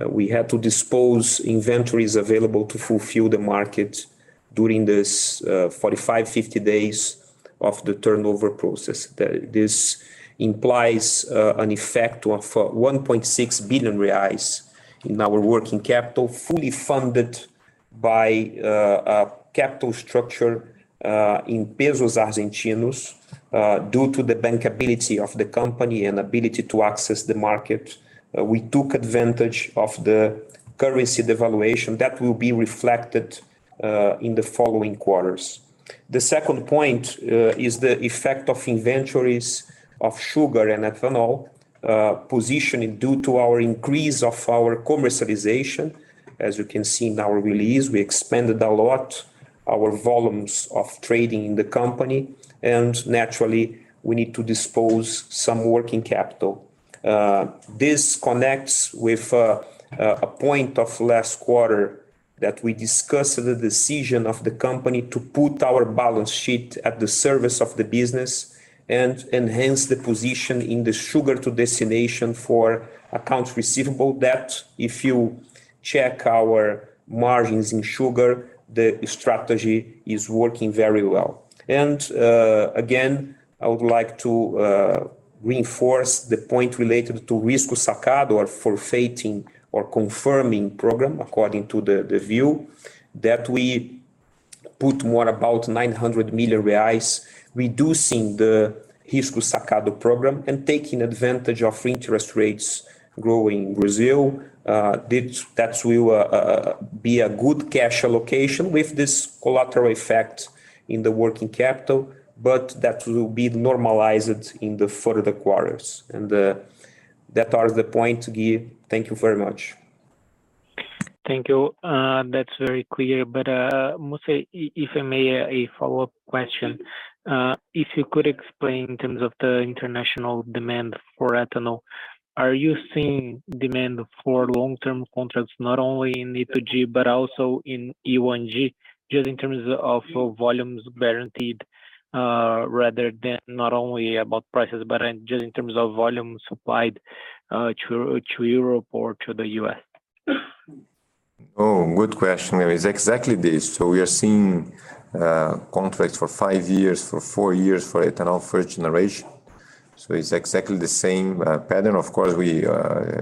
we had to dispose inventories available to fulfill the market during this 45-50 days of the turnover process. This implies an effect of 1.6 billion reais in our working capital, fully funded by capital structure in pesos argentinos, due to the bankability of the company and ability to access the market. We took advantage of the currency devaluation that will be reflected in the following quarters. The second point is the effect of inventories of sugar and ethanol positioning due to our increase of our commercialization. As you can see in our release, we expanded a lot our volumes of trading in the company, and naturally we need to dispose some working capital. This connects with a point of last quarter that we discussed the decision of the company to put our balance sheet at the service of the business and enhance the position in the sugar to destination for accounts receivable debt. If you check our margins in sugar, the strategy is working very well. I would like to reinforce the point related to risco sacado or forfeiting or confirming program according to the view that we put more about 900 million reais, reducing the risco sacado program and taking advantage of interest rates growing in Brazil. That will be a good cash allocation with this collateral effect in the working capital, but that will be normalized in the future quarters. That's the point, Gui. Thank you very much. Thank you. That's very clear. If I may, a follow-up question. If you could explain in terms of the international demand for ethanol, are you seeing demand for long-term contracts not only in E2G but also in E1G, just in terms of volumes guaranteed, rather than not only about prices, but just in terms of volumes supplied to Europe or to the US? Oh, good question. It is exactly this. We are seeing contracts for five years, for four years for ethanol first generation, it's exactly the same pattern. Of course we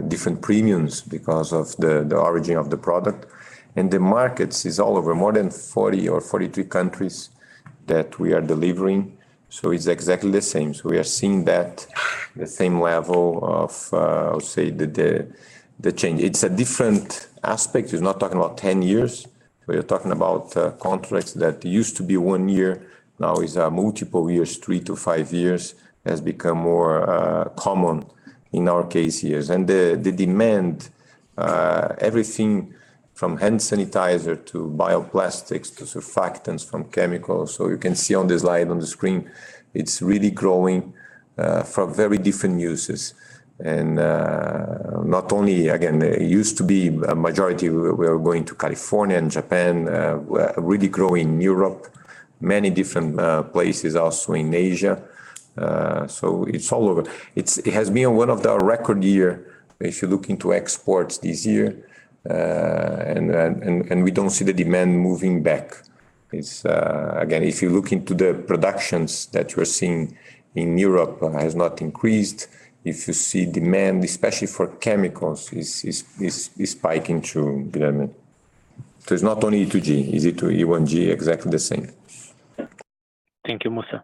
different premiums because of the origin of the product. The markets is all over, more than 40 or 42 countries that we are delivering, it's exactly the same. We are seeing that, the same level of, I would say the change. It's a different aspect. We're not talking about 10 years. We are talking about contracts that used to be 1 year, now is multiple years. three to five years has become more common in our case years. The demand, everything from hand sanitizer to bioplastics to surfactants from chemicals, so you can see on the slide on the screen, it's really growing from very different uses. Not only. Again, it used to be a majority. We are going to California and Japan. We are really growing in Europe, many different places also in Asia. It's all over. It has been one of the record year if you look into exports this year. We don't see the demand moving back. Again, if you look into the productions that we're seeing in Europe has not increased. If you see demand, especially for chemicals is spiking. The demand. It's not only E2G. E1G is exactly the same. Thank you, Mussa.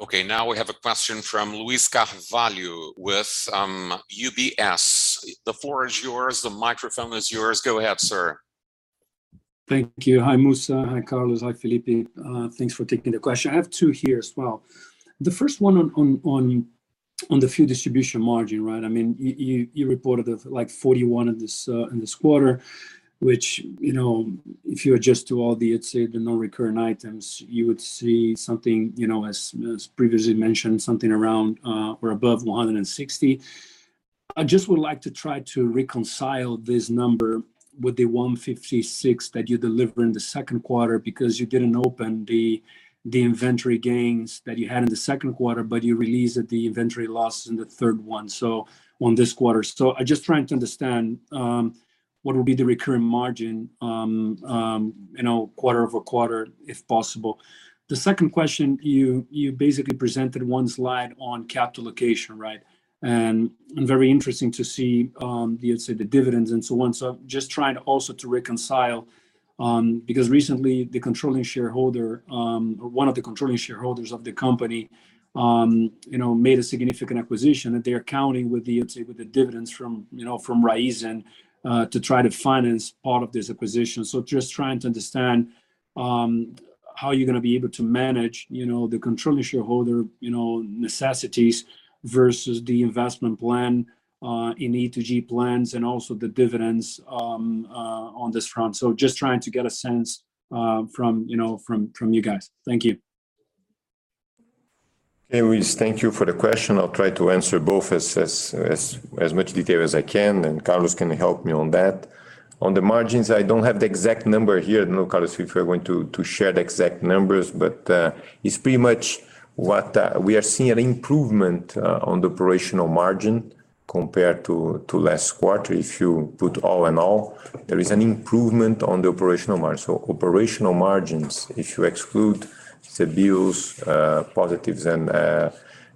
Okay. Now we have a question from Luiz Carvalho with UBS. The floor is yours. The microphone is yours. Go ahead, sir. Thank you. Hi, Mussa. Hi, Carlos. Hi, Felipe. Thanks for taking the question. I have two here as well. The first one on the fuel distribution margin, right? I mean, you reported, like, 41 in this quarter, which, you know, if you adjust for all the, let's say, the non-recurring items, you would see something, you know, as previously mentioned, something around or above 160. I just would like to try to reconcile this number with the 156 that you delivered in the second quarter, because you didn't open the inventory gains that you had in the second quarter, but you released the inventory loss in the third one, so in this quarter. I just trying to understand what will be the recurring margin you know quarter-over-quarter if possible. The second question you basically presented one slide on capital allocation right. And very interesting to see you would say the dividends and so on. Just trying also to reconcile because recently the controlling shareholder or one of the controlling shareholders of the company you know made a significant acquisition that they're counting on the let's say with the dividends from you know from Raízen to try to finance part of this acquisition. Just trying to understand how you're gonna be able to manage you know the controlling shareholder you know necessities versus the investment plan in E2G plans and also the dividends on this front. Just trying to get a sense, from you know from you guys. Thank you. Hey, Luiz. Thank you for the question. I'll try to answer both as much detail as I can, and Carlos can help me on that. On the margins, I don't have the exact number here. I don't know, Carlos, if you are going to share the exact numbers, but it's pretty much what we are seeing an improvement on the operational margin. Compared to last quarter, if you put all in all, there is an improvement on the operational margin. Operational margins, if you exclude CBIOs, positives and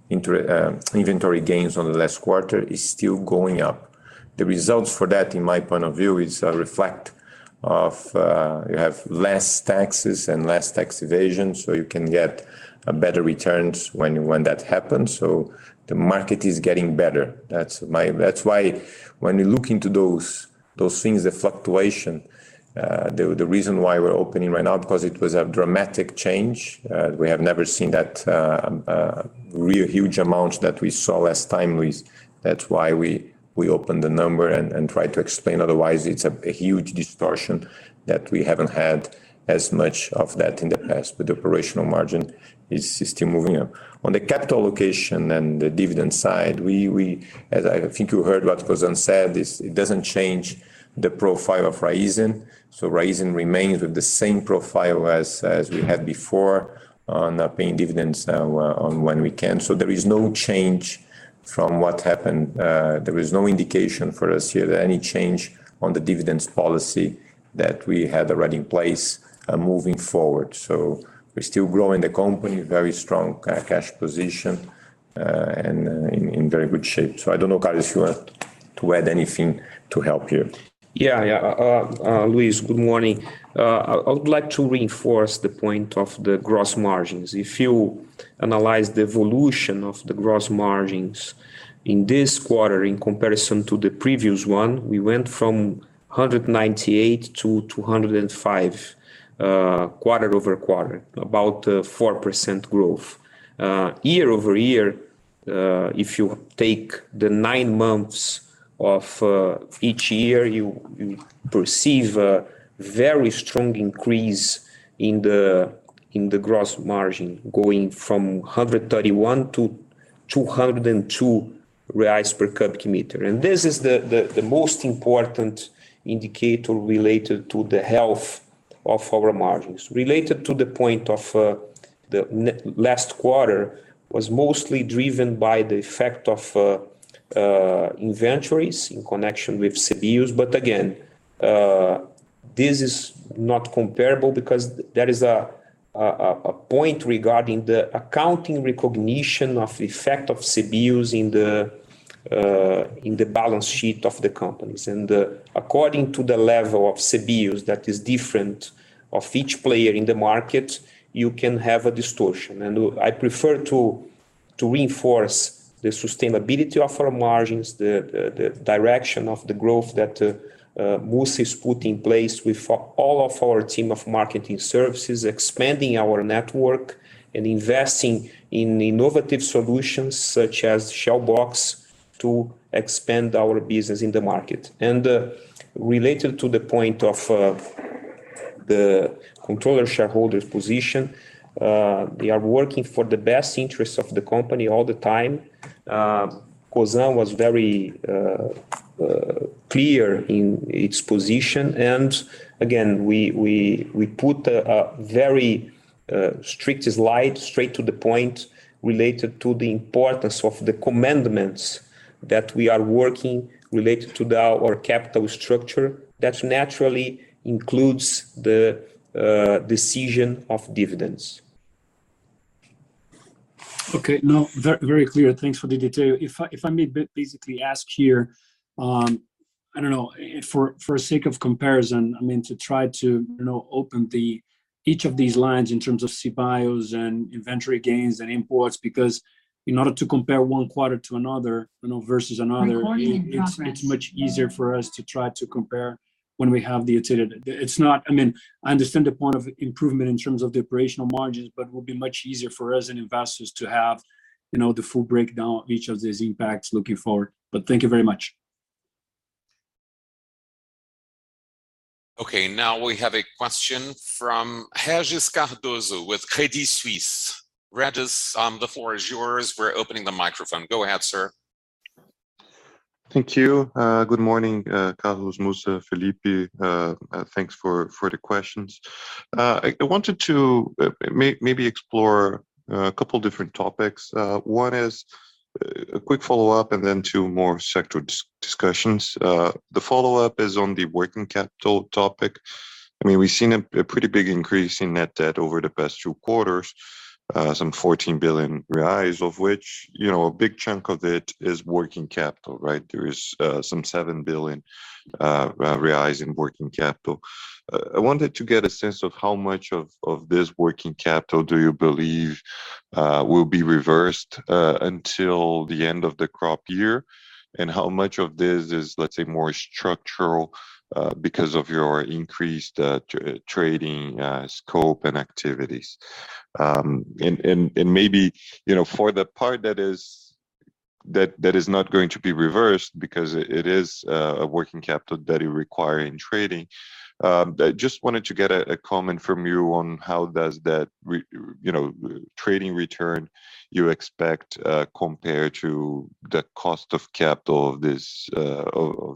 inventory gains on the last quarter, is still going up. The results for that, in my point of view, is a reflection of you have less taxes and less tax evasion, so you can get a better returns when that happens. The market is getting better. That's why when you look into those things, the fluctuation, the reason why we're opening right now because it was a dramatic change. We have never seen that real huge amounts that we saw last time, Luiz. That's why we opened the number and tried to explain. Otherwise, it's a huge distortion that we haven't had as much of that in the past, but the operational margin is still moving up. On the capital allocation and the dividend side, we, as I think you heard what Cosan said, it doesn't change the profile of Raízen. Raízen remains with the same profile as we had before on paying dividends now on when we can. There is no change from what happened. There is no indication for us here that any change on the dividend policy that we had already in place moving forward. We're still growing the company, very strong cash position, and in very good shape. I don't know, Carlos, if you want to add anything to help here. Luiz, good morning. I would like to reinforce the point of the gross margins. If you analyze the evolution of the gross margins in this quarter in comparison to the previous one, we went from 198 to 205, quarter-over-quarter, about 4% growth. Year-over-year, if you take the nine months of each year, you perceive a very strong increase in the gross margin, going from 131 to 202 reais per cubic meter. This is the most important indicator related to the health of our margins. Related to the point of, the last quarter was mostly driven by the effect of inventories in connection with CBIOs. Again, this is not comparable because there is a point regarding the accounting recognition of effect of CBIOs in the balance sheet of the companies. According to the level of CBIOs that is different of each player in the market, you can have a distortion. I prefer to reinforce the sustainability of our margins, the direction of the growth that Mussa's put in place with all of our team of marketing services, expanding our network and investing in innovative solutions such as Shell Box to expand our business in the market. Related to the point of the controlling shareholders' position, they are working for the best interest of the company all the time. Cosan was very clear in its position. Again, we put a very strict slide straight to the point related to the importance of the commitments that we are working related to our capital structure. That naturally includes the decision of dividends. Okay. No, very clear. Thanks for the detail. If I may basically ask here, I don't know, for sake of comparison, I mean, to try to, you know, open each of these lines in terms of CBIOs and inventory gains and imports, because in order to compare one quarter to another, you know, versus another. It's much easier for us to try to compare when we have the entirety. I mean, I understand the point of improvement in terms of the operational margins, but it would be much easier for us and investors to have, you know, the full breakdown of each of these impacts looking forward. Thank you very much. Okay. Now we have a question from Regis Cardoso with Credit Suisse. Regis, the floor is yours. We're opening the microphone. Go ahead, sir. Thank you. Good morning, Carlos, Mussa, Felipe. Thanks for the questions. I wanted to maybe explore a couple different topics. One is a quick follow-up and then two more sector discussions. The follow-up is on the working capital topic. I mean, we've seen a pretty big increase in net debt over the past two quarters, some 14 billion reais, of which, you know, a big chunk of it is working capital, right? There is some seven billion reais in working capital. I wanted to get a sense of how much of this working capital do you believe will be reversed until the end of the crop year, and how much of this is, let's say, more structural because of your increased trading scope and activities. Maybe, you know, for the part that is not going to be reversed because it is a working capital that you require in trading, I just wanted to get a comment from you on how does that trading return you expect compared to the cost of capital of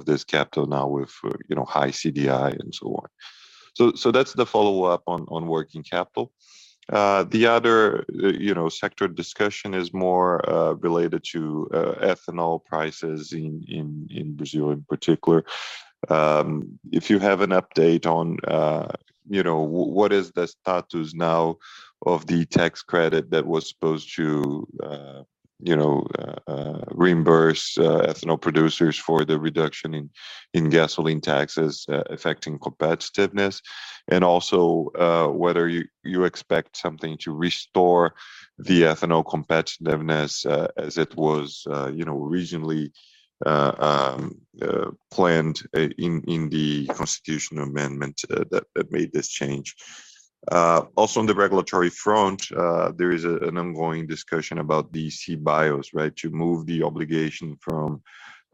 this capital now with, you know, high CDI and so on. That's the follow-up on working capital. The other, you know, sector discussion is more related to ethanol prices in Brazil in particular. If you have an update on, you know, what is the status now of the tax credit that was supposed to, you know, reimburse ethanol producers for the reduction in gasoline taxes affecting competitiveness, and also, whether you expect something to restore the ethanol competitiveness as it was, you know, originally planned in the constitutional amendment that made this change. Also on the regulatory front, there is an ongoing discussion about CBIOs, right? To move the obligation from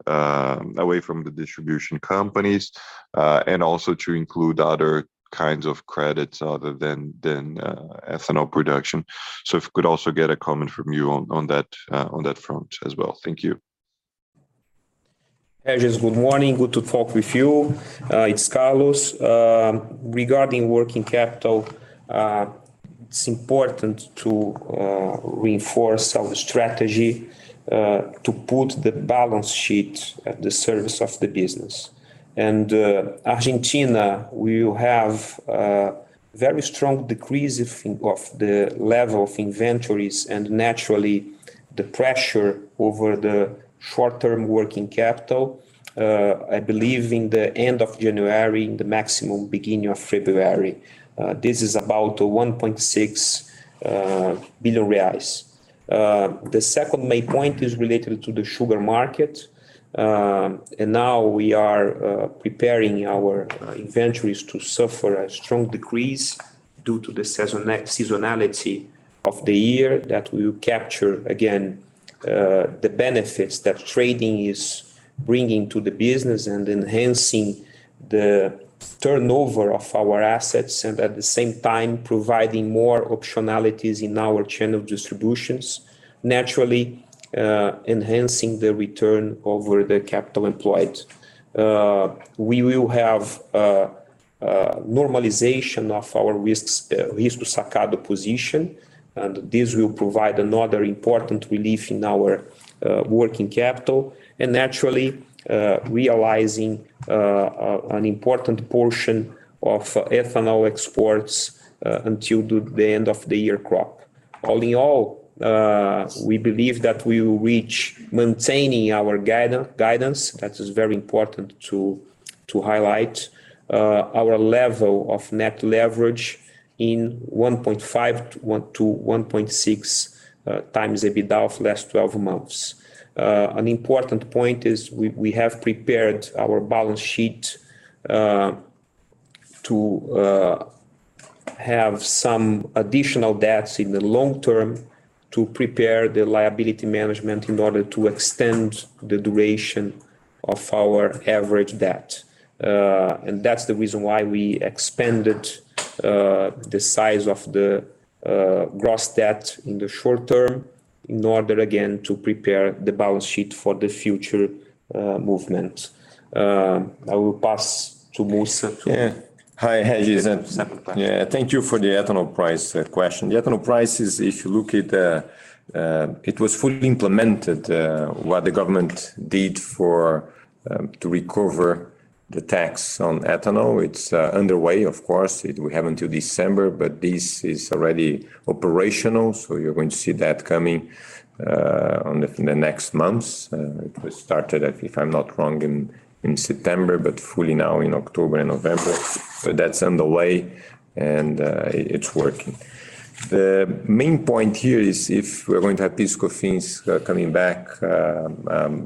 away from the distribution companies, and also to include other kinds of credits other than ethanol production. If you could also get a comment from you on that front as well. Thank you. Hey, just good morning. Good to talk with you. It's Carlos. Regarding working capital, it's important to reinforce our strategy to put the balance sheet at the service of the business. Argentina, we will have a very strong decrease of the level of inventories, and naturally, the pressure over the short-term working capital. I believe in the end of January, the maximum beginning of February, this is about 1.6 billion reais. The second main point is related to the sugar market. Now we are preparing our inventories to suffer a strong decrease due to the seasonality of the year that we capture again the benefits that trading is bringing to the business and enhancing the turnover of our assets, and at the same time, providing more optionalities in our chain of distributions, naturally enhancing the return over the capital employed. We will have a normalization of our risco sacado position, and this will provide another important relief in our working capital and naturally realizing an important portion of ethanol exports until the end of the year crop. All in all, we believe that we will reach maintaining our guidance. That is very important to highlight our level of net leverage in 1.5-1.6x EBITDA of last twelve months. An important point is we have prepared our balance sheet to have some additional debts in the long term to prepare the liability management in order to extend the duration of our average debt. That's the reason why we expanded the size of the gross debt in the short term in order again to prepare the balance sheet for the future movement. I will pass to Mussa. Yeah. Hi, how are you? Yeah. Thank you for the ethanol price question. The ethanol prices, if you look at, it was fully implemented, what the government did for, to recover the tax on ethanol. It's underway, of course, we have until December, but this is already operational, so you're going to see that coming, in the next months. It was started, if I'm not wrong, in September, but fully now in October and November. That's underway, and it's working. The main point here is if we're going to have PIS/COFINS coming back,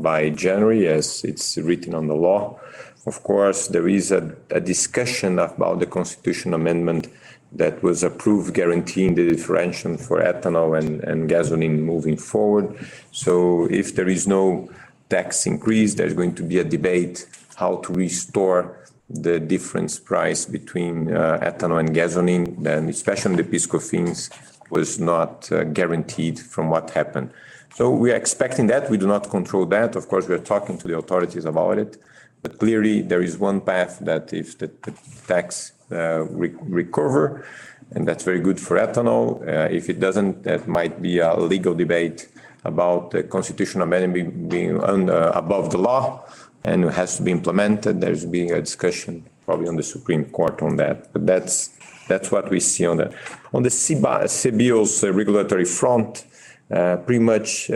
by January as it's written on the law. Of course, there is a discussion about the constitutional amendment that was approved guaranteeing the differential for ethanol and gasoline moving forward. If there is no tax increase, there's going to be a debate how to restore the price difference between ethanol and gasoline, especially the PIS/COFINS thing was not guaranteed from what happened. We are expecting that. We do not control that. Of course, we are talking to the authorities about it. Clearly, there is one path that if the tax recovery, and that's very good for ethanol. If it doesn't, that might be a legal debate about the constitutional amendment being above the law and has to be implemented. There's been a discussion probably on the Supreme Court on that. That's what we see on the. On the CBIOs' regulatory front, pretty much,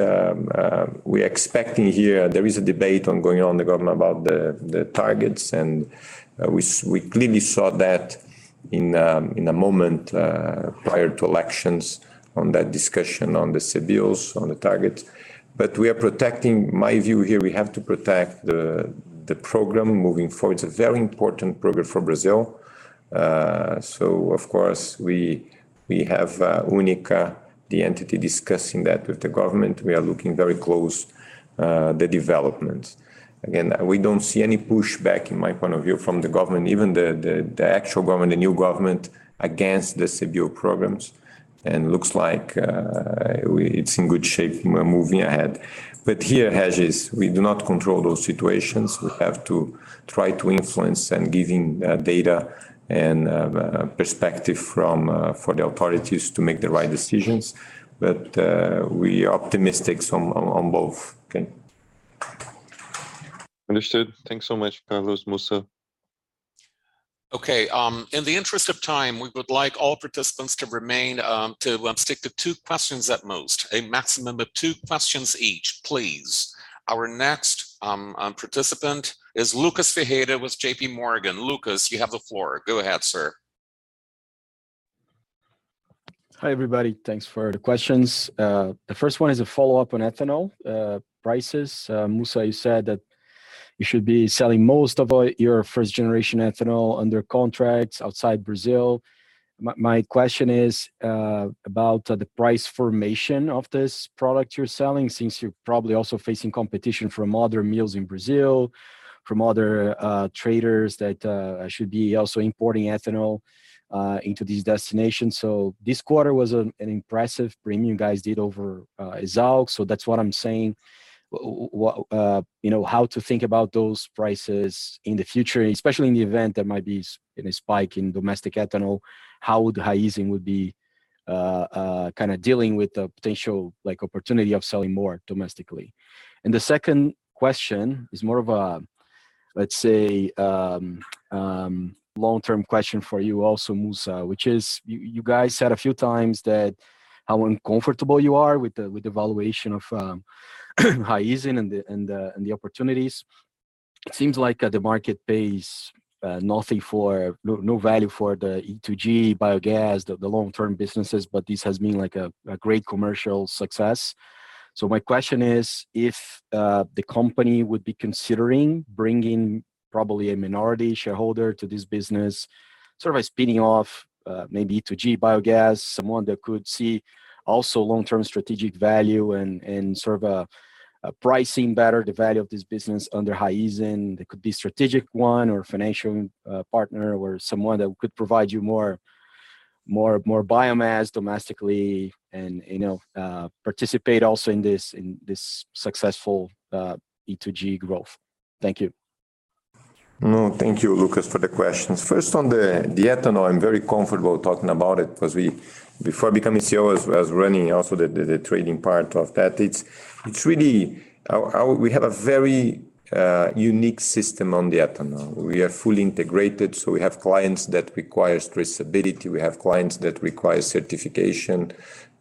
we're expecting here, there is a debate ongoing in the government about the targets, and we clearly saw that in the moment prior to elections on that discussion on the CBIOs on the targets. We are protecting. My view here, we have to protect the program moving forward. It's a very important program for Brazil. Of course, we have UNICA, the entity discussing that with the government. We are looking very closely at the developments. Again, we don't see any pushback, in my point of view, from the government, even the actual government, the new government against the CBIO programs, and it looks like it's in good shape moving ahead. Here, Regis Cardoso, we do not control those situations. We have to try to influence and giving data and perspective for the authorities to make the right decisions. We are optimistic on both. Okay. Understood. Thanks so much, Carlos. Mussa? Okay, in the interest of time, we would like all participants to stick to two questions at most. A maximum of two questions each, please. Our next participant is Lucas Ferreira with J.P. Morgan. Lucas, you have the floor. Go ahead, sir. Hi, everybody. Thanks for the questions. The first one is a follow-up on ethanol prices. Mussa, you said that you should be selling most of your first-generation ethanol under contracts outside Brazil. My question is about the price formation of this product you're selling, since you're probably also facing competition from other mills in Brazil, from other traders that should be also importing ethanol into these destinations. This quarter was an impressive premium you guys did over ESALQ, so that's what I'm saying. You know, how to think about those prices in the future, especially in the event there might be a spike in domestic ethanol, how would Raízen be kind of dealing with the potential, like, opportunity of selling more domestically? The second question is more of a, let's say, long-term question for you also, Mussa, which is you guys said a few times that how uncomfortable you are with the valuation of Raízen and the opportunities. It seems like the market pays nothing for no value for the E2G Biogas, the long-term businesses, but this has been like a great commercial success. My question is if the company would be considering bringing probably a minority shareholder to this business, sort of by spinning off maybe E2G Biogas, someone that could see also long-term strategic value and sort of pricing better the value of this business under Raízen. It could be strategic one or financial partner or someone that could provide you more biomass domestically and, you know, participate also in this successful E2G growth. Thank you. No, thank you, Lucas, for the questions. First, on the ethanol, I'm very comfortable talking about it because before becoming CEO, I was running also the trading part of that. It's really our We have a very unique system on the ethanol. We are fully integrated, so we have clients that require traceability. We have clients that require certification,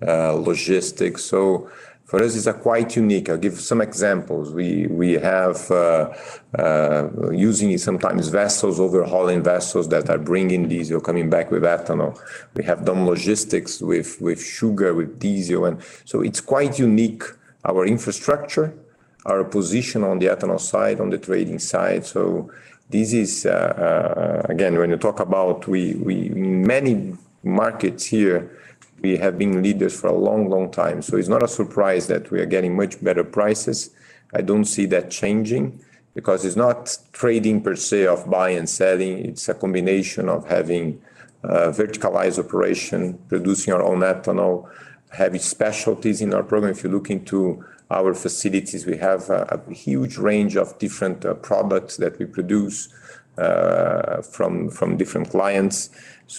logistics. So for us, it's quite unique. I'll give some examples. We have using it sometimes vessels, overhauling vessels that are bringing diesel, coming back with ethanol. We have done logistics with sugar, with diesel. It's quite unique, our infrastructure, our position on the ethanol side, on the trading side. This is again, when you talk about many markets here, we have been leaders for a long, long time, so it's not a surprise that we are getting much better prices. I don't see that changing because it's not trading per se of buying and selling. It's a combination of having verticalized operation, producing our own ethanol, having specialties in our program. If you look into our facilities, we have a huge range of different products that we produce from different clients.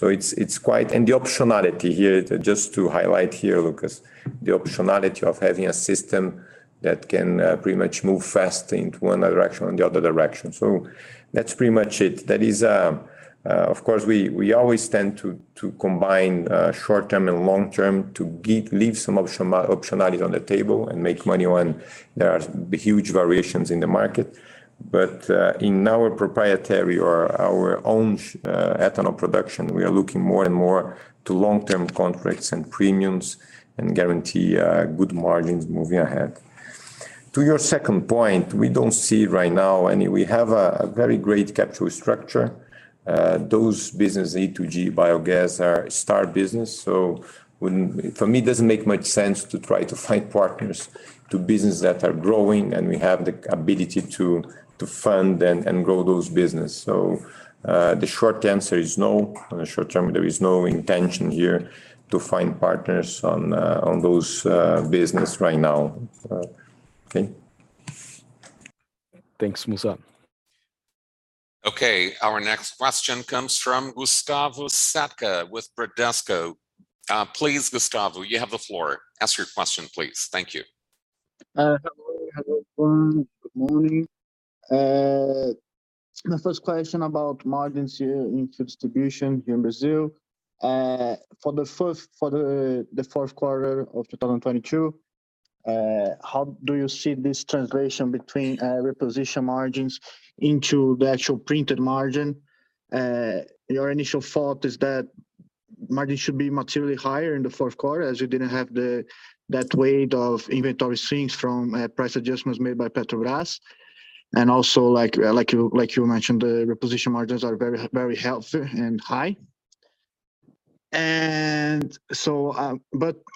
It's quite. The optionality here, just to highlight here, Lucas, the optionality of having a system that can pretty much move fast into one direction and the other direction. That's pretty much it. That is, of course, we always tend to combine short-term and long-term to leave some optionality on the table and make money when there are huge variations in the market. In our proprietary or our own ethanol production, we are looking more and more to long-term contracts and premiums and guarantee good margins moving ahead. To your second point, we don't see right now any. We have a very great capital structure. Those businesses, E2G Biogas are a star business. For me, it doesn't make much sense to try to find partners for businesses that are growing, and we have the ability to fund and grow those businesses. The short answer is no. On the short term, there is no intention here to find partners on those businesses right now. Okay? Thanks, Mussa. Okay, our next question comes from Gustavo Sadka with Bradesco. Please, Gustavo, you have the floor. Ask your question, please. Thank you. Hello everyone. Good morning. My first question about margins here in food distribution here in Brazil. For the fourth quarter of 2022, how do you see this translation between reposition margins into the actual printed margin? Your initial thought is that margin should be materially higher in the fourth quarter, as you didn't have that weight of inventory swings from price adjustments made by Petrobras. Also, like you mentioned, the reposition margins are very healthy and high.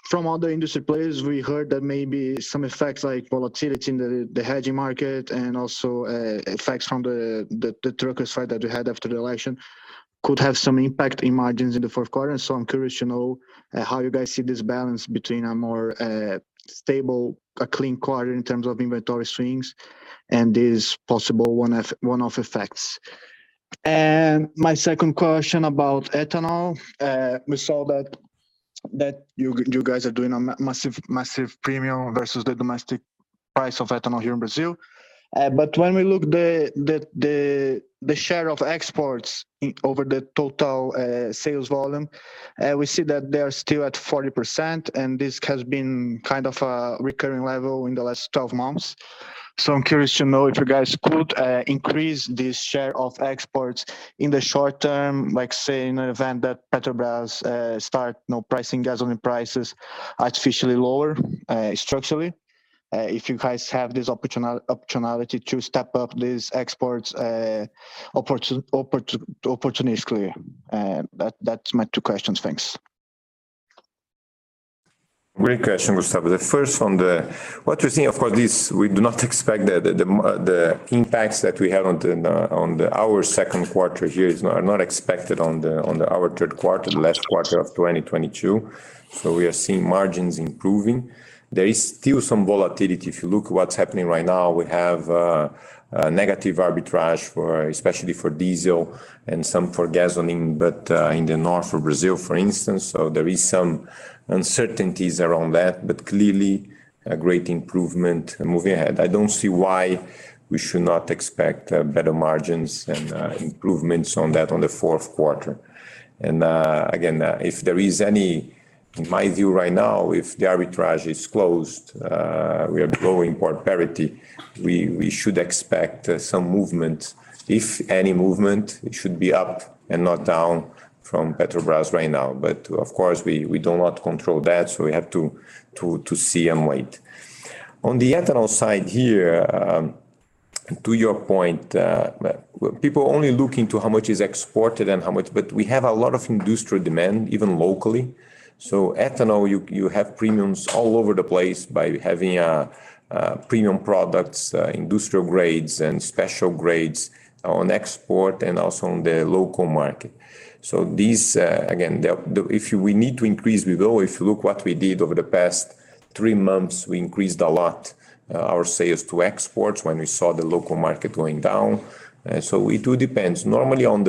From other industry players, we heard that maybe some effects like volatility in the hedging market and also effects from the trucker strike that you had after the election could have some impact in margins in the fourth quarter. I'm curious to know how you guys see this balance between a more stable, a clean quarter in terms of inventory swings and these possible one-off effects. My second question about ethanol, we saw that you guys are doing a massive premium versus the domestic price of ethanol here in Brazil. When we look at the share of exports over the total sales volume, we see that they are still at 40%, and this has been kind of a recurring level in the last 12 months. I'm curious to know if you guys could increase this share of exports in the short term, like say in an event that Petrobras start now pricing gasoline prices artificially lower, structurally, if you guys have this opportunity to step up these exports, opportunistically. That's my two questions. Thanks. Great question, Gustavo. What you're seeing, of course, we do not expect the impacts that we had on our second quarter here are not expected on our third quarter, the last quarter of 2022. We are seeing margins improving. There is still some volatility. If you look at what's happening right now, we have negative arbitrage, especially for diesel and some for gasoline, but in the north of Brazil, for instance, there is some uncertainty around that. Clearly a great improvement moving ahead. I don't see why we should not expect better margins and improvements on that in the fourth quarter. Again, if there is any, in my view right now, if the arbitrage is closed, we are at parity, we should expect some movement. If any movement, it should be up and not down from Petrobras right now. Of course we do not control that, so we have to see and wait. On the ethanol side here, to your point, people are only looking at how much is exported and how much. We have a lot of industrial demand, even locally. Ethanol, you have premiums all over the place by having premium products, industrial grades and special grades on export and also on the local market. These, again. If we need to increase, we will. If you look what we did over the past three months, we increased a lot our sales to exports when we saw the local market going down. So it too depends. Normally on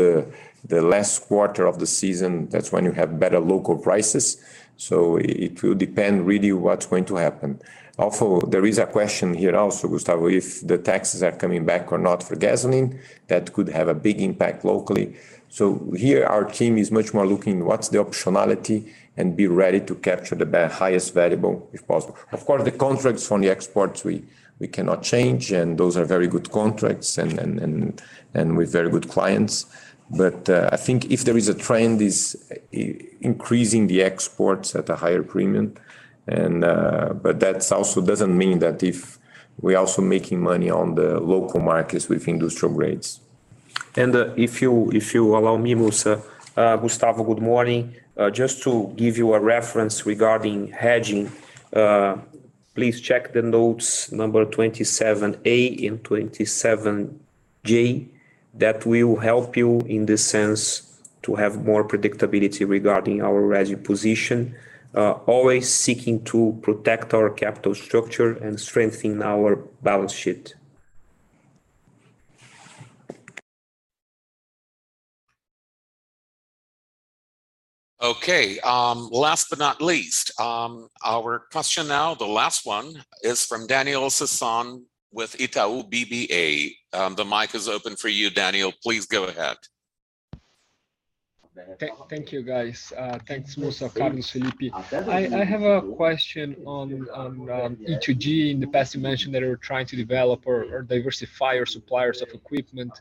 the last quarter of the season, that's when you have better local prices, so it will depend really what's going to happen. Also, there is a question here also, Gustavo, if the taxes are coming back or not for gasoline, that could have a big impact locally. So here our team is much more looking what's the optionality and be ready to capture the best highest variable if possible. Of course, the contracts from the exports, we cannot change, and those are very good contracts and with very good clients. I think if there is a trend is increasing the exports at a higher premium, and, but that's also doesn't mean that if we're also making money on the local markets with industrial grades. If you allow me, Mussa. Gustavo, good morning. Just to give you a reference regarding hedging, please check the notes number 27A and 27J. That will help you in the sense to have more predictability regarding our hedging position, always seeking to protect our capital structure and strengthening our balance sheet. Last but not least, our question now, the last one, is from Daniel Sasson with Itaú BBA. The mic is open for you, Daniel. Please go ahead. Thank you guys. Thanks Mussa, Carlos, Felipe. I have a question on E2G. In the past you mentioned that you were trying to develop or diversify your suppliers of equipment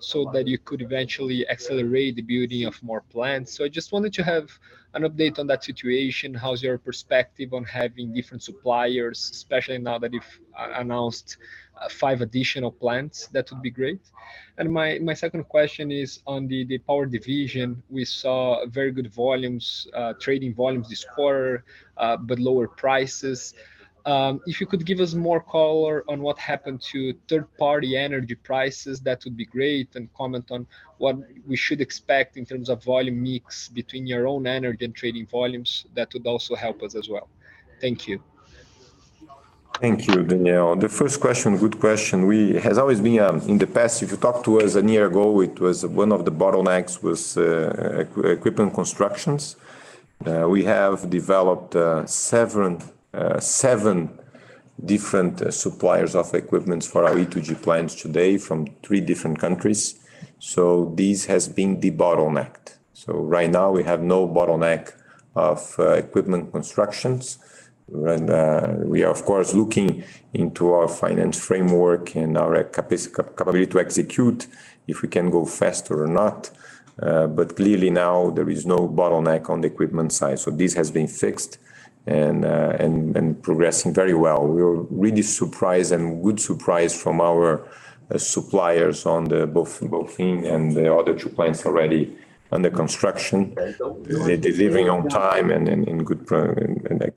so that you could eventually accelerate the building of more plants. I just wanted to have an update on that situation. How's your perspective on having different suppliers, especially now that you've announced five additional plants? That would be great. My second question is on the power division. We saw very good volumes, trading volumes this quarter, but lower prices. If you could give us more color on what happened to third-party energy prices, that would be great, and comment on what we should expect in terms of volume mix between your own energy and trading volumes, that would also help us as well. Thank you. Thank you, Daniel. The first question. Good question. It has always been, in the past, if you talked to us a year ago, it was one of the bottlenecks was, equipment constructions. We have developed seven different suppliers of equipment for our E2G plants today from three different countries. This has been de-bottlenecked. Right now we have no bottleneck of equipment constructions. We are of course looking into our finance framework and our capability to execute if we can go faster or not. Clearly now there is no bottleneck on the equipment side. This has been fixed and progressing very well. We were really surprised and good surprise from our suppliers on the both thing and the other two plants already under construction. They delivering on time and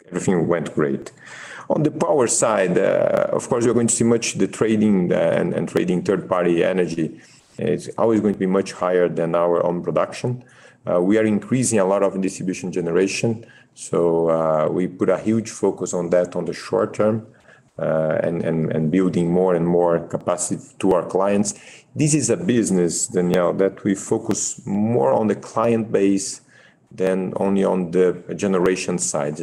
everything went great. On the power side, of course, you're going to see much higher trading and trading third-party energy is always going to be much higher than our own production. We are increasing a lot of distributed generation, so we put a huge focus on that in the short term and building more and more capacity to our clients. This is a business, Daniel, that we focus more on the client base than only on the generation side.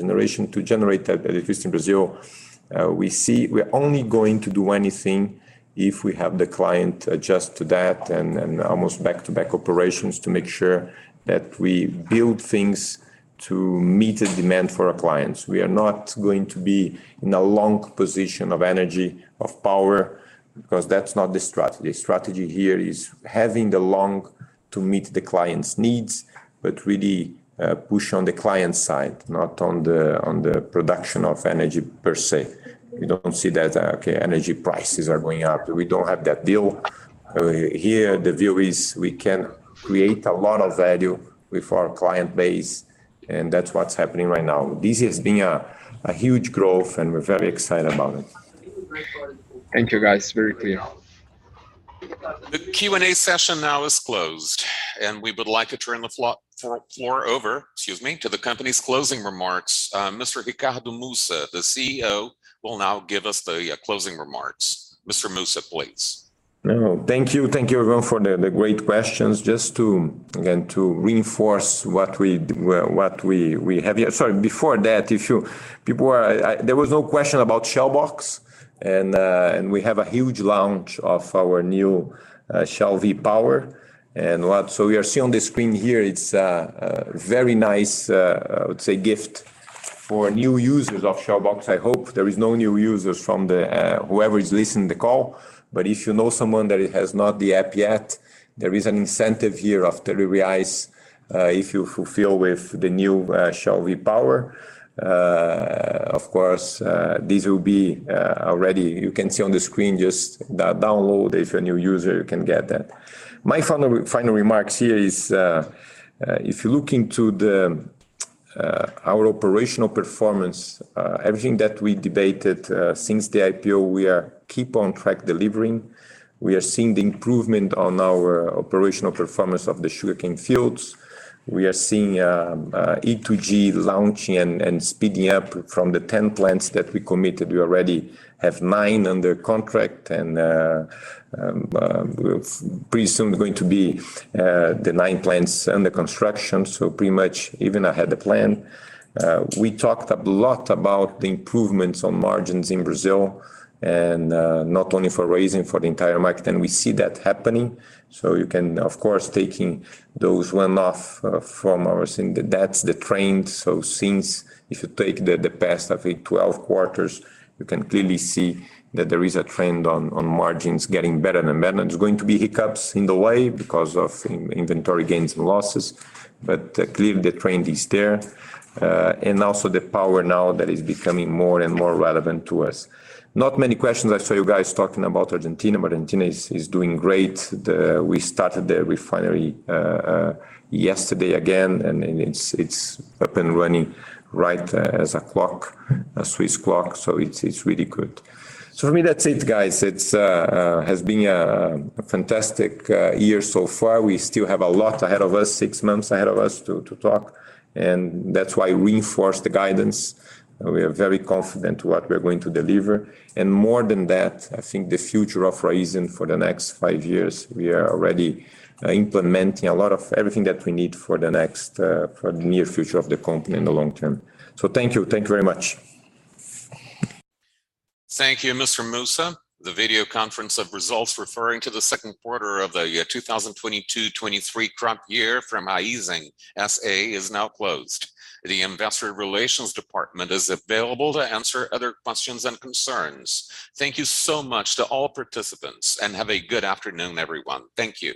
We see we're only going to do anything if we have the clients attached to that and almost back-to-back operations to make sure that we build things to meet the demand for our clients. We are not going to be in a long position of energy, of power, because that's not the strategy. The strategy here is having the long to meet the client's needs, but really push on the client side, not on the production of energy per se. We don't see that, okay, energy prices are going up. We don't have that deal. Here the view is we can create a lot of value with our client base, and that's what's happening right now. This has been a huge growth, and we're very excited about it. Thank you, guys. Very clear. The Q&A session now is closed, and we would like to turn the floor over, excuse me, to the company's closing remarks. Mr. Ricardo Mussa, the CEO, will now give us the closing remarks. Mr. Mussa, please. No, thank you. Thank you everyone for the great questions. Just to again reinforce what we have here. Sorry. Before that, people are there was no question about Shell Box and we have a huge launch of our new Shell V-Power and lot. So we are seeing on the screen here it's a very nice I would say gift for new users of Shell Box. I hope there is no new users from the whoever is listening to the call. If you know someone that has not the app yet, there is an incentive here of BRL three if you fill up with the new Shell V-Power. Of course, this will be already you can see on the screen, just download. If you're a new user, you can get that. My final remarks here is, if you look into our operational performance, everything that we debated since the IPO, we are keeping on track delivering. We are seeing the improvement on our operational performance of the sugarcane fields. We are seeing E2G launching and speeding up from the 10 plants that we committed. We already have nine under contract and pretty soon going to be the nine plants under construction. Pretty much even ahead of the plan. We talked a lot about the improvements on margins in Brazil and not only for Raízen, for the entire market, and we see that happening. You can of course take those one-offs from our results, that's the trend. If you take the past 12 quarters, you can clearly see that there is a trend on margins getting better and better. There is going to be hiccups in the way because of inventory gains and losses, but clearly the trend is there. Also the power now that is becoming more and more relevant to us. Not many questions I saw you guys talking about Argentina, but Argentina is doing great. We started the refinery yesterday again, and it's up and running like a Swiss clock. It's really good. For me, that's it, guys. It has been a fantastic year so far. We still have a lot ahead of us, six months ahead of us to talk, and that's why reinforce the guidance. We are very confident what we're going to deliver. More than that, I think the future of Raízen for the next five years, we are already implementing a lot of everything that we need for the near future of the company in the long term. Thank you. Thank you very much. Thank you, Mr. Mussa. The video conference of results referring to the second quarter of the 2022/2023 crop year from Raízen S.A. is now closed. The investor relations department is available to answer other questions and concerns. Thank you so much to all participants, and have a good afternoon, everyone. Thank you.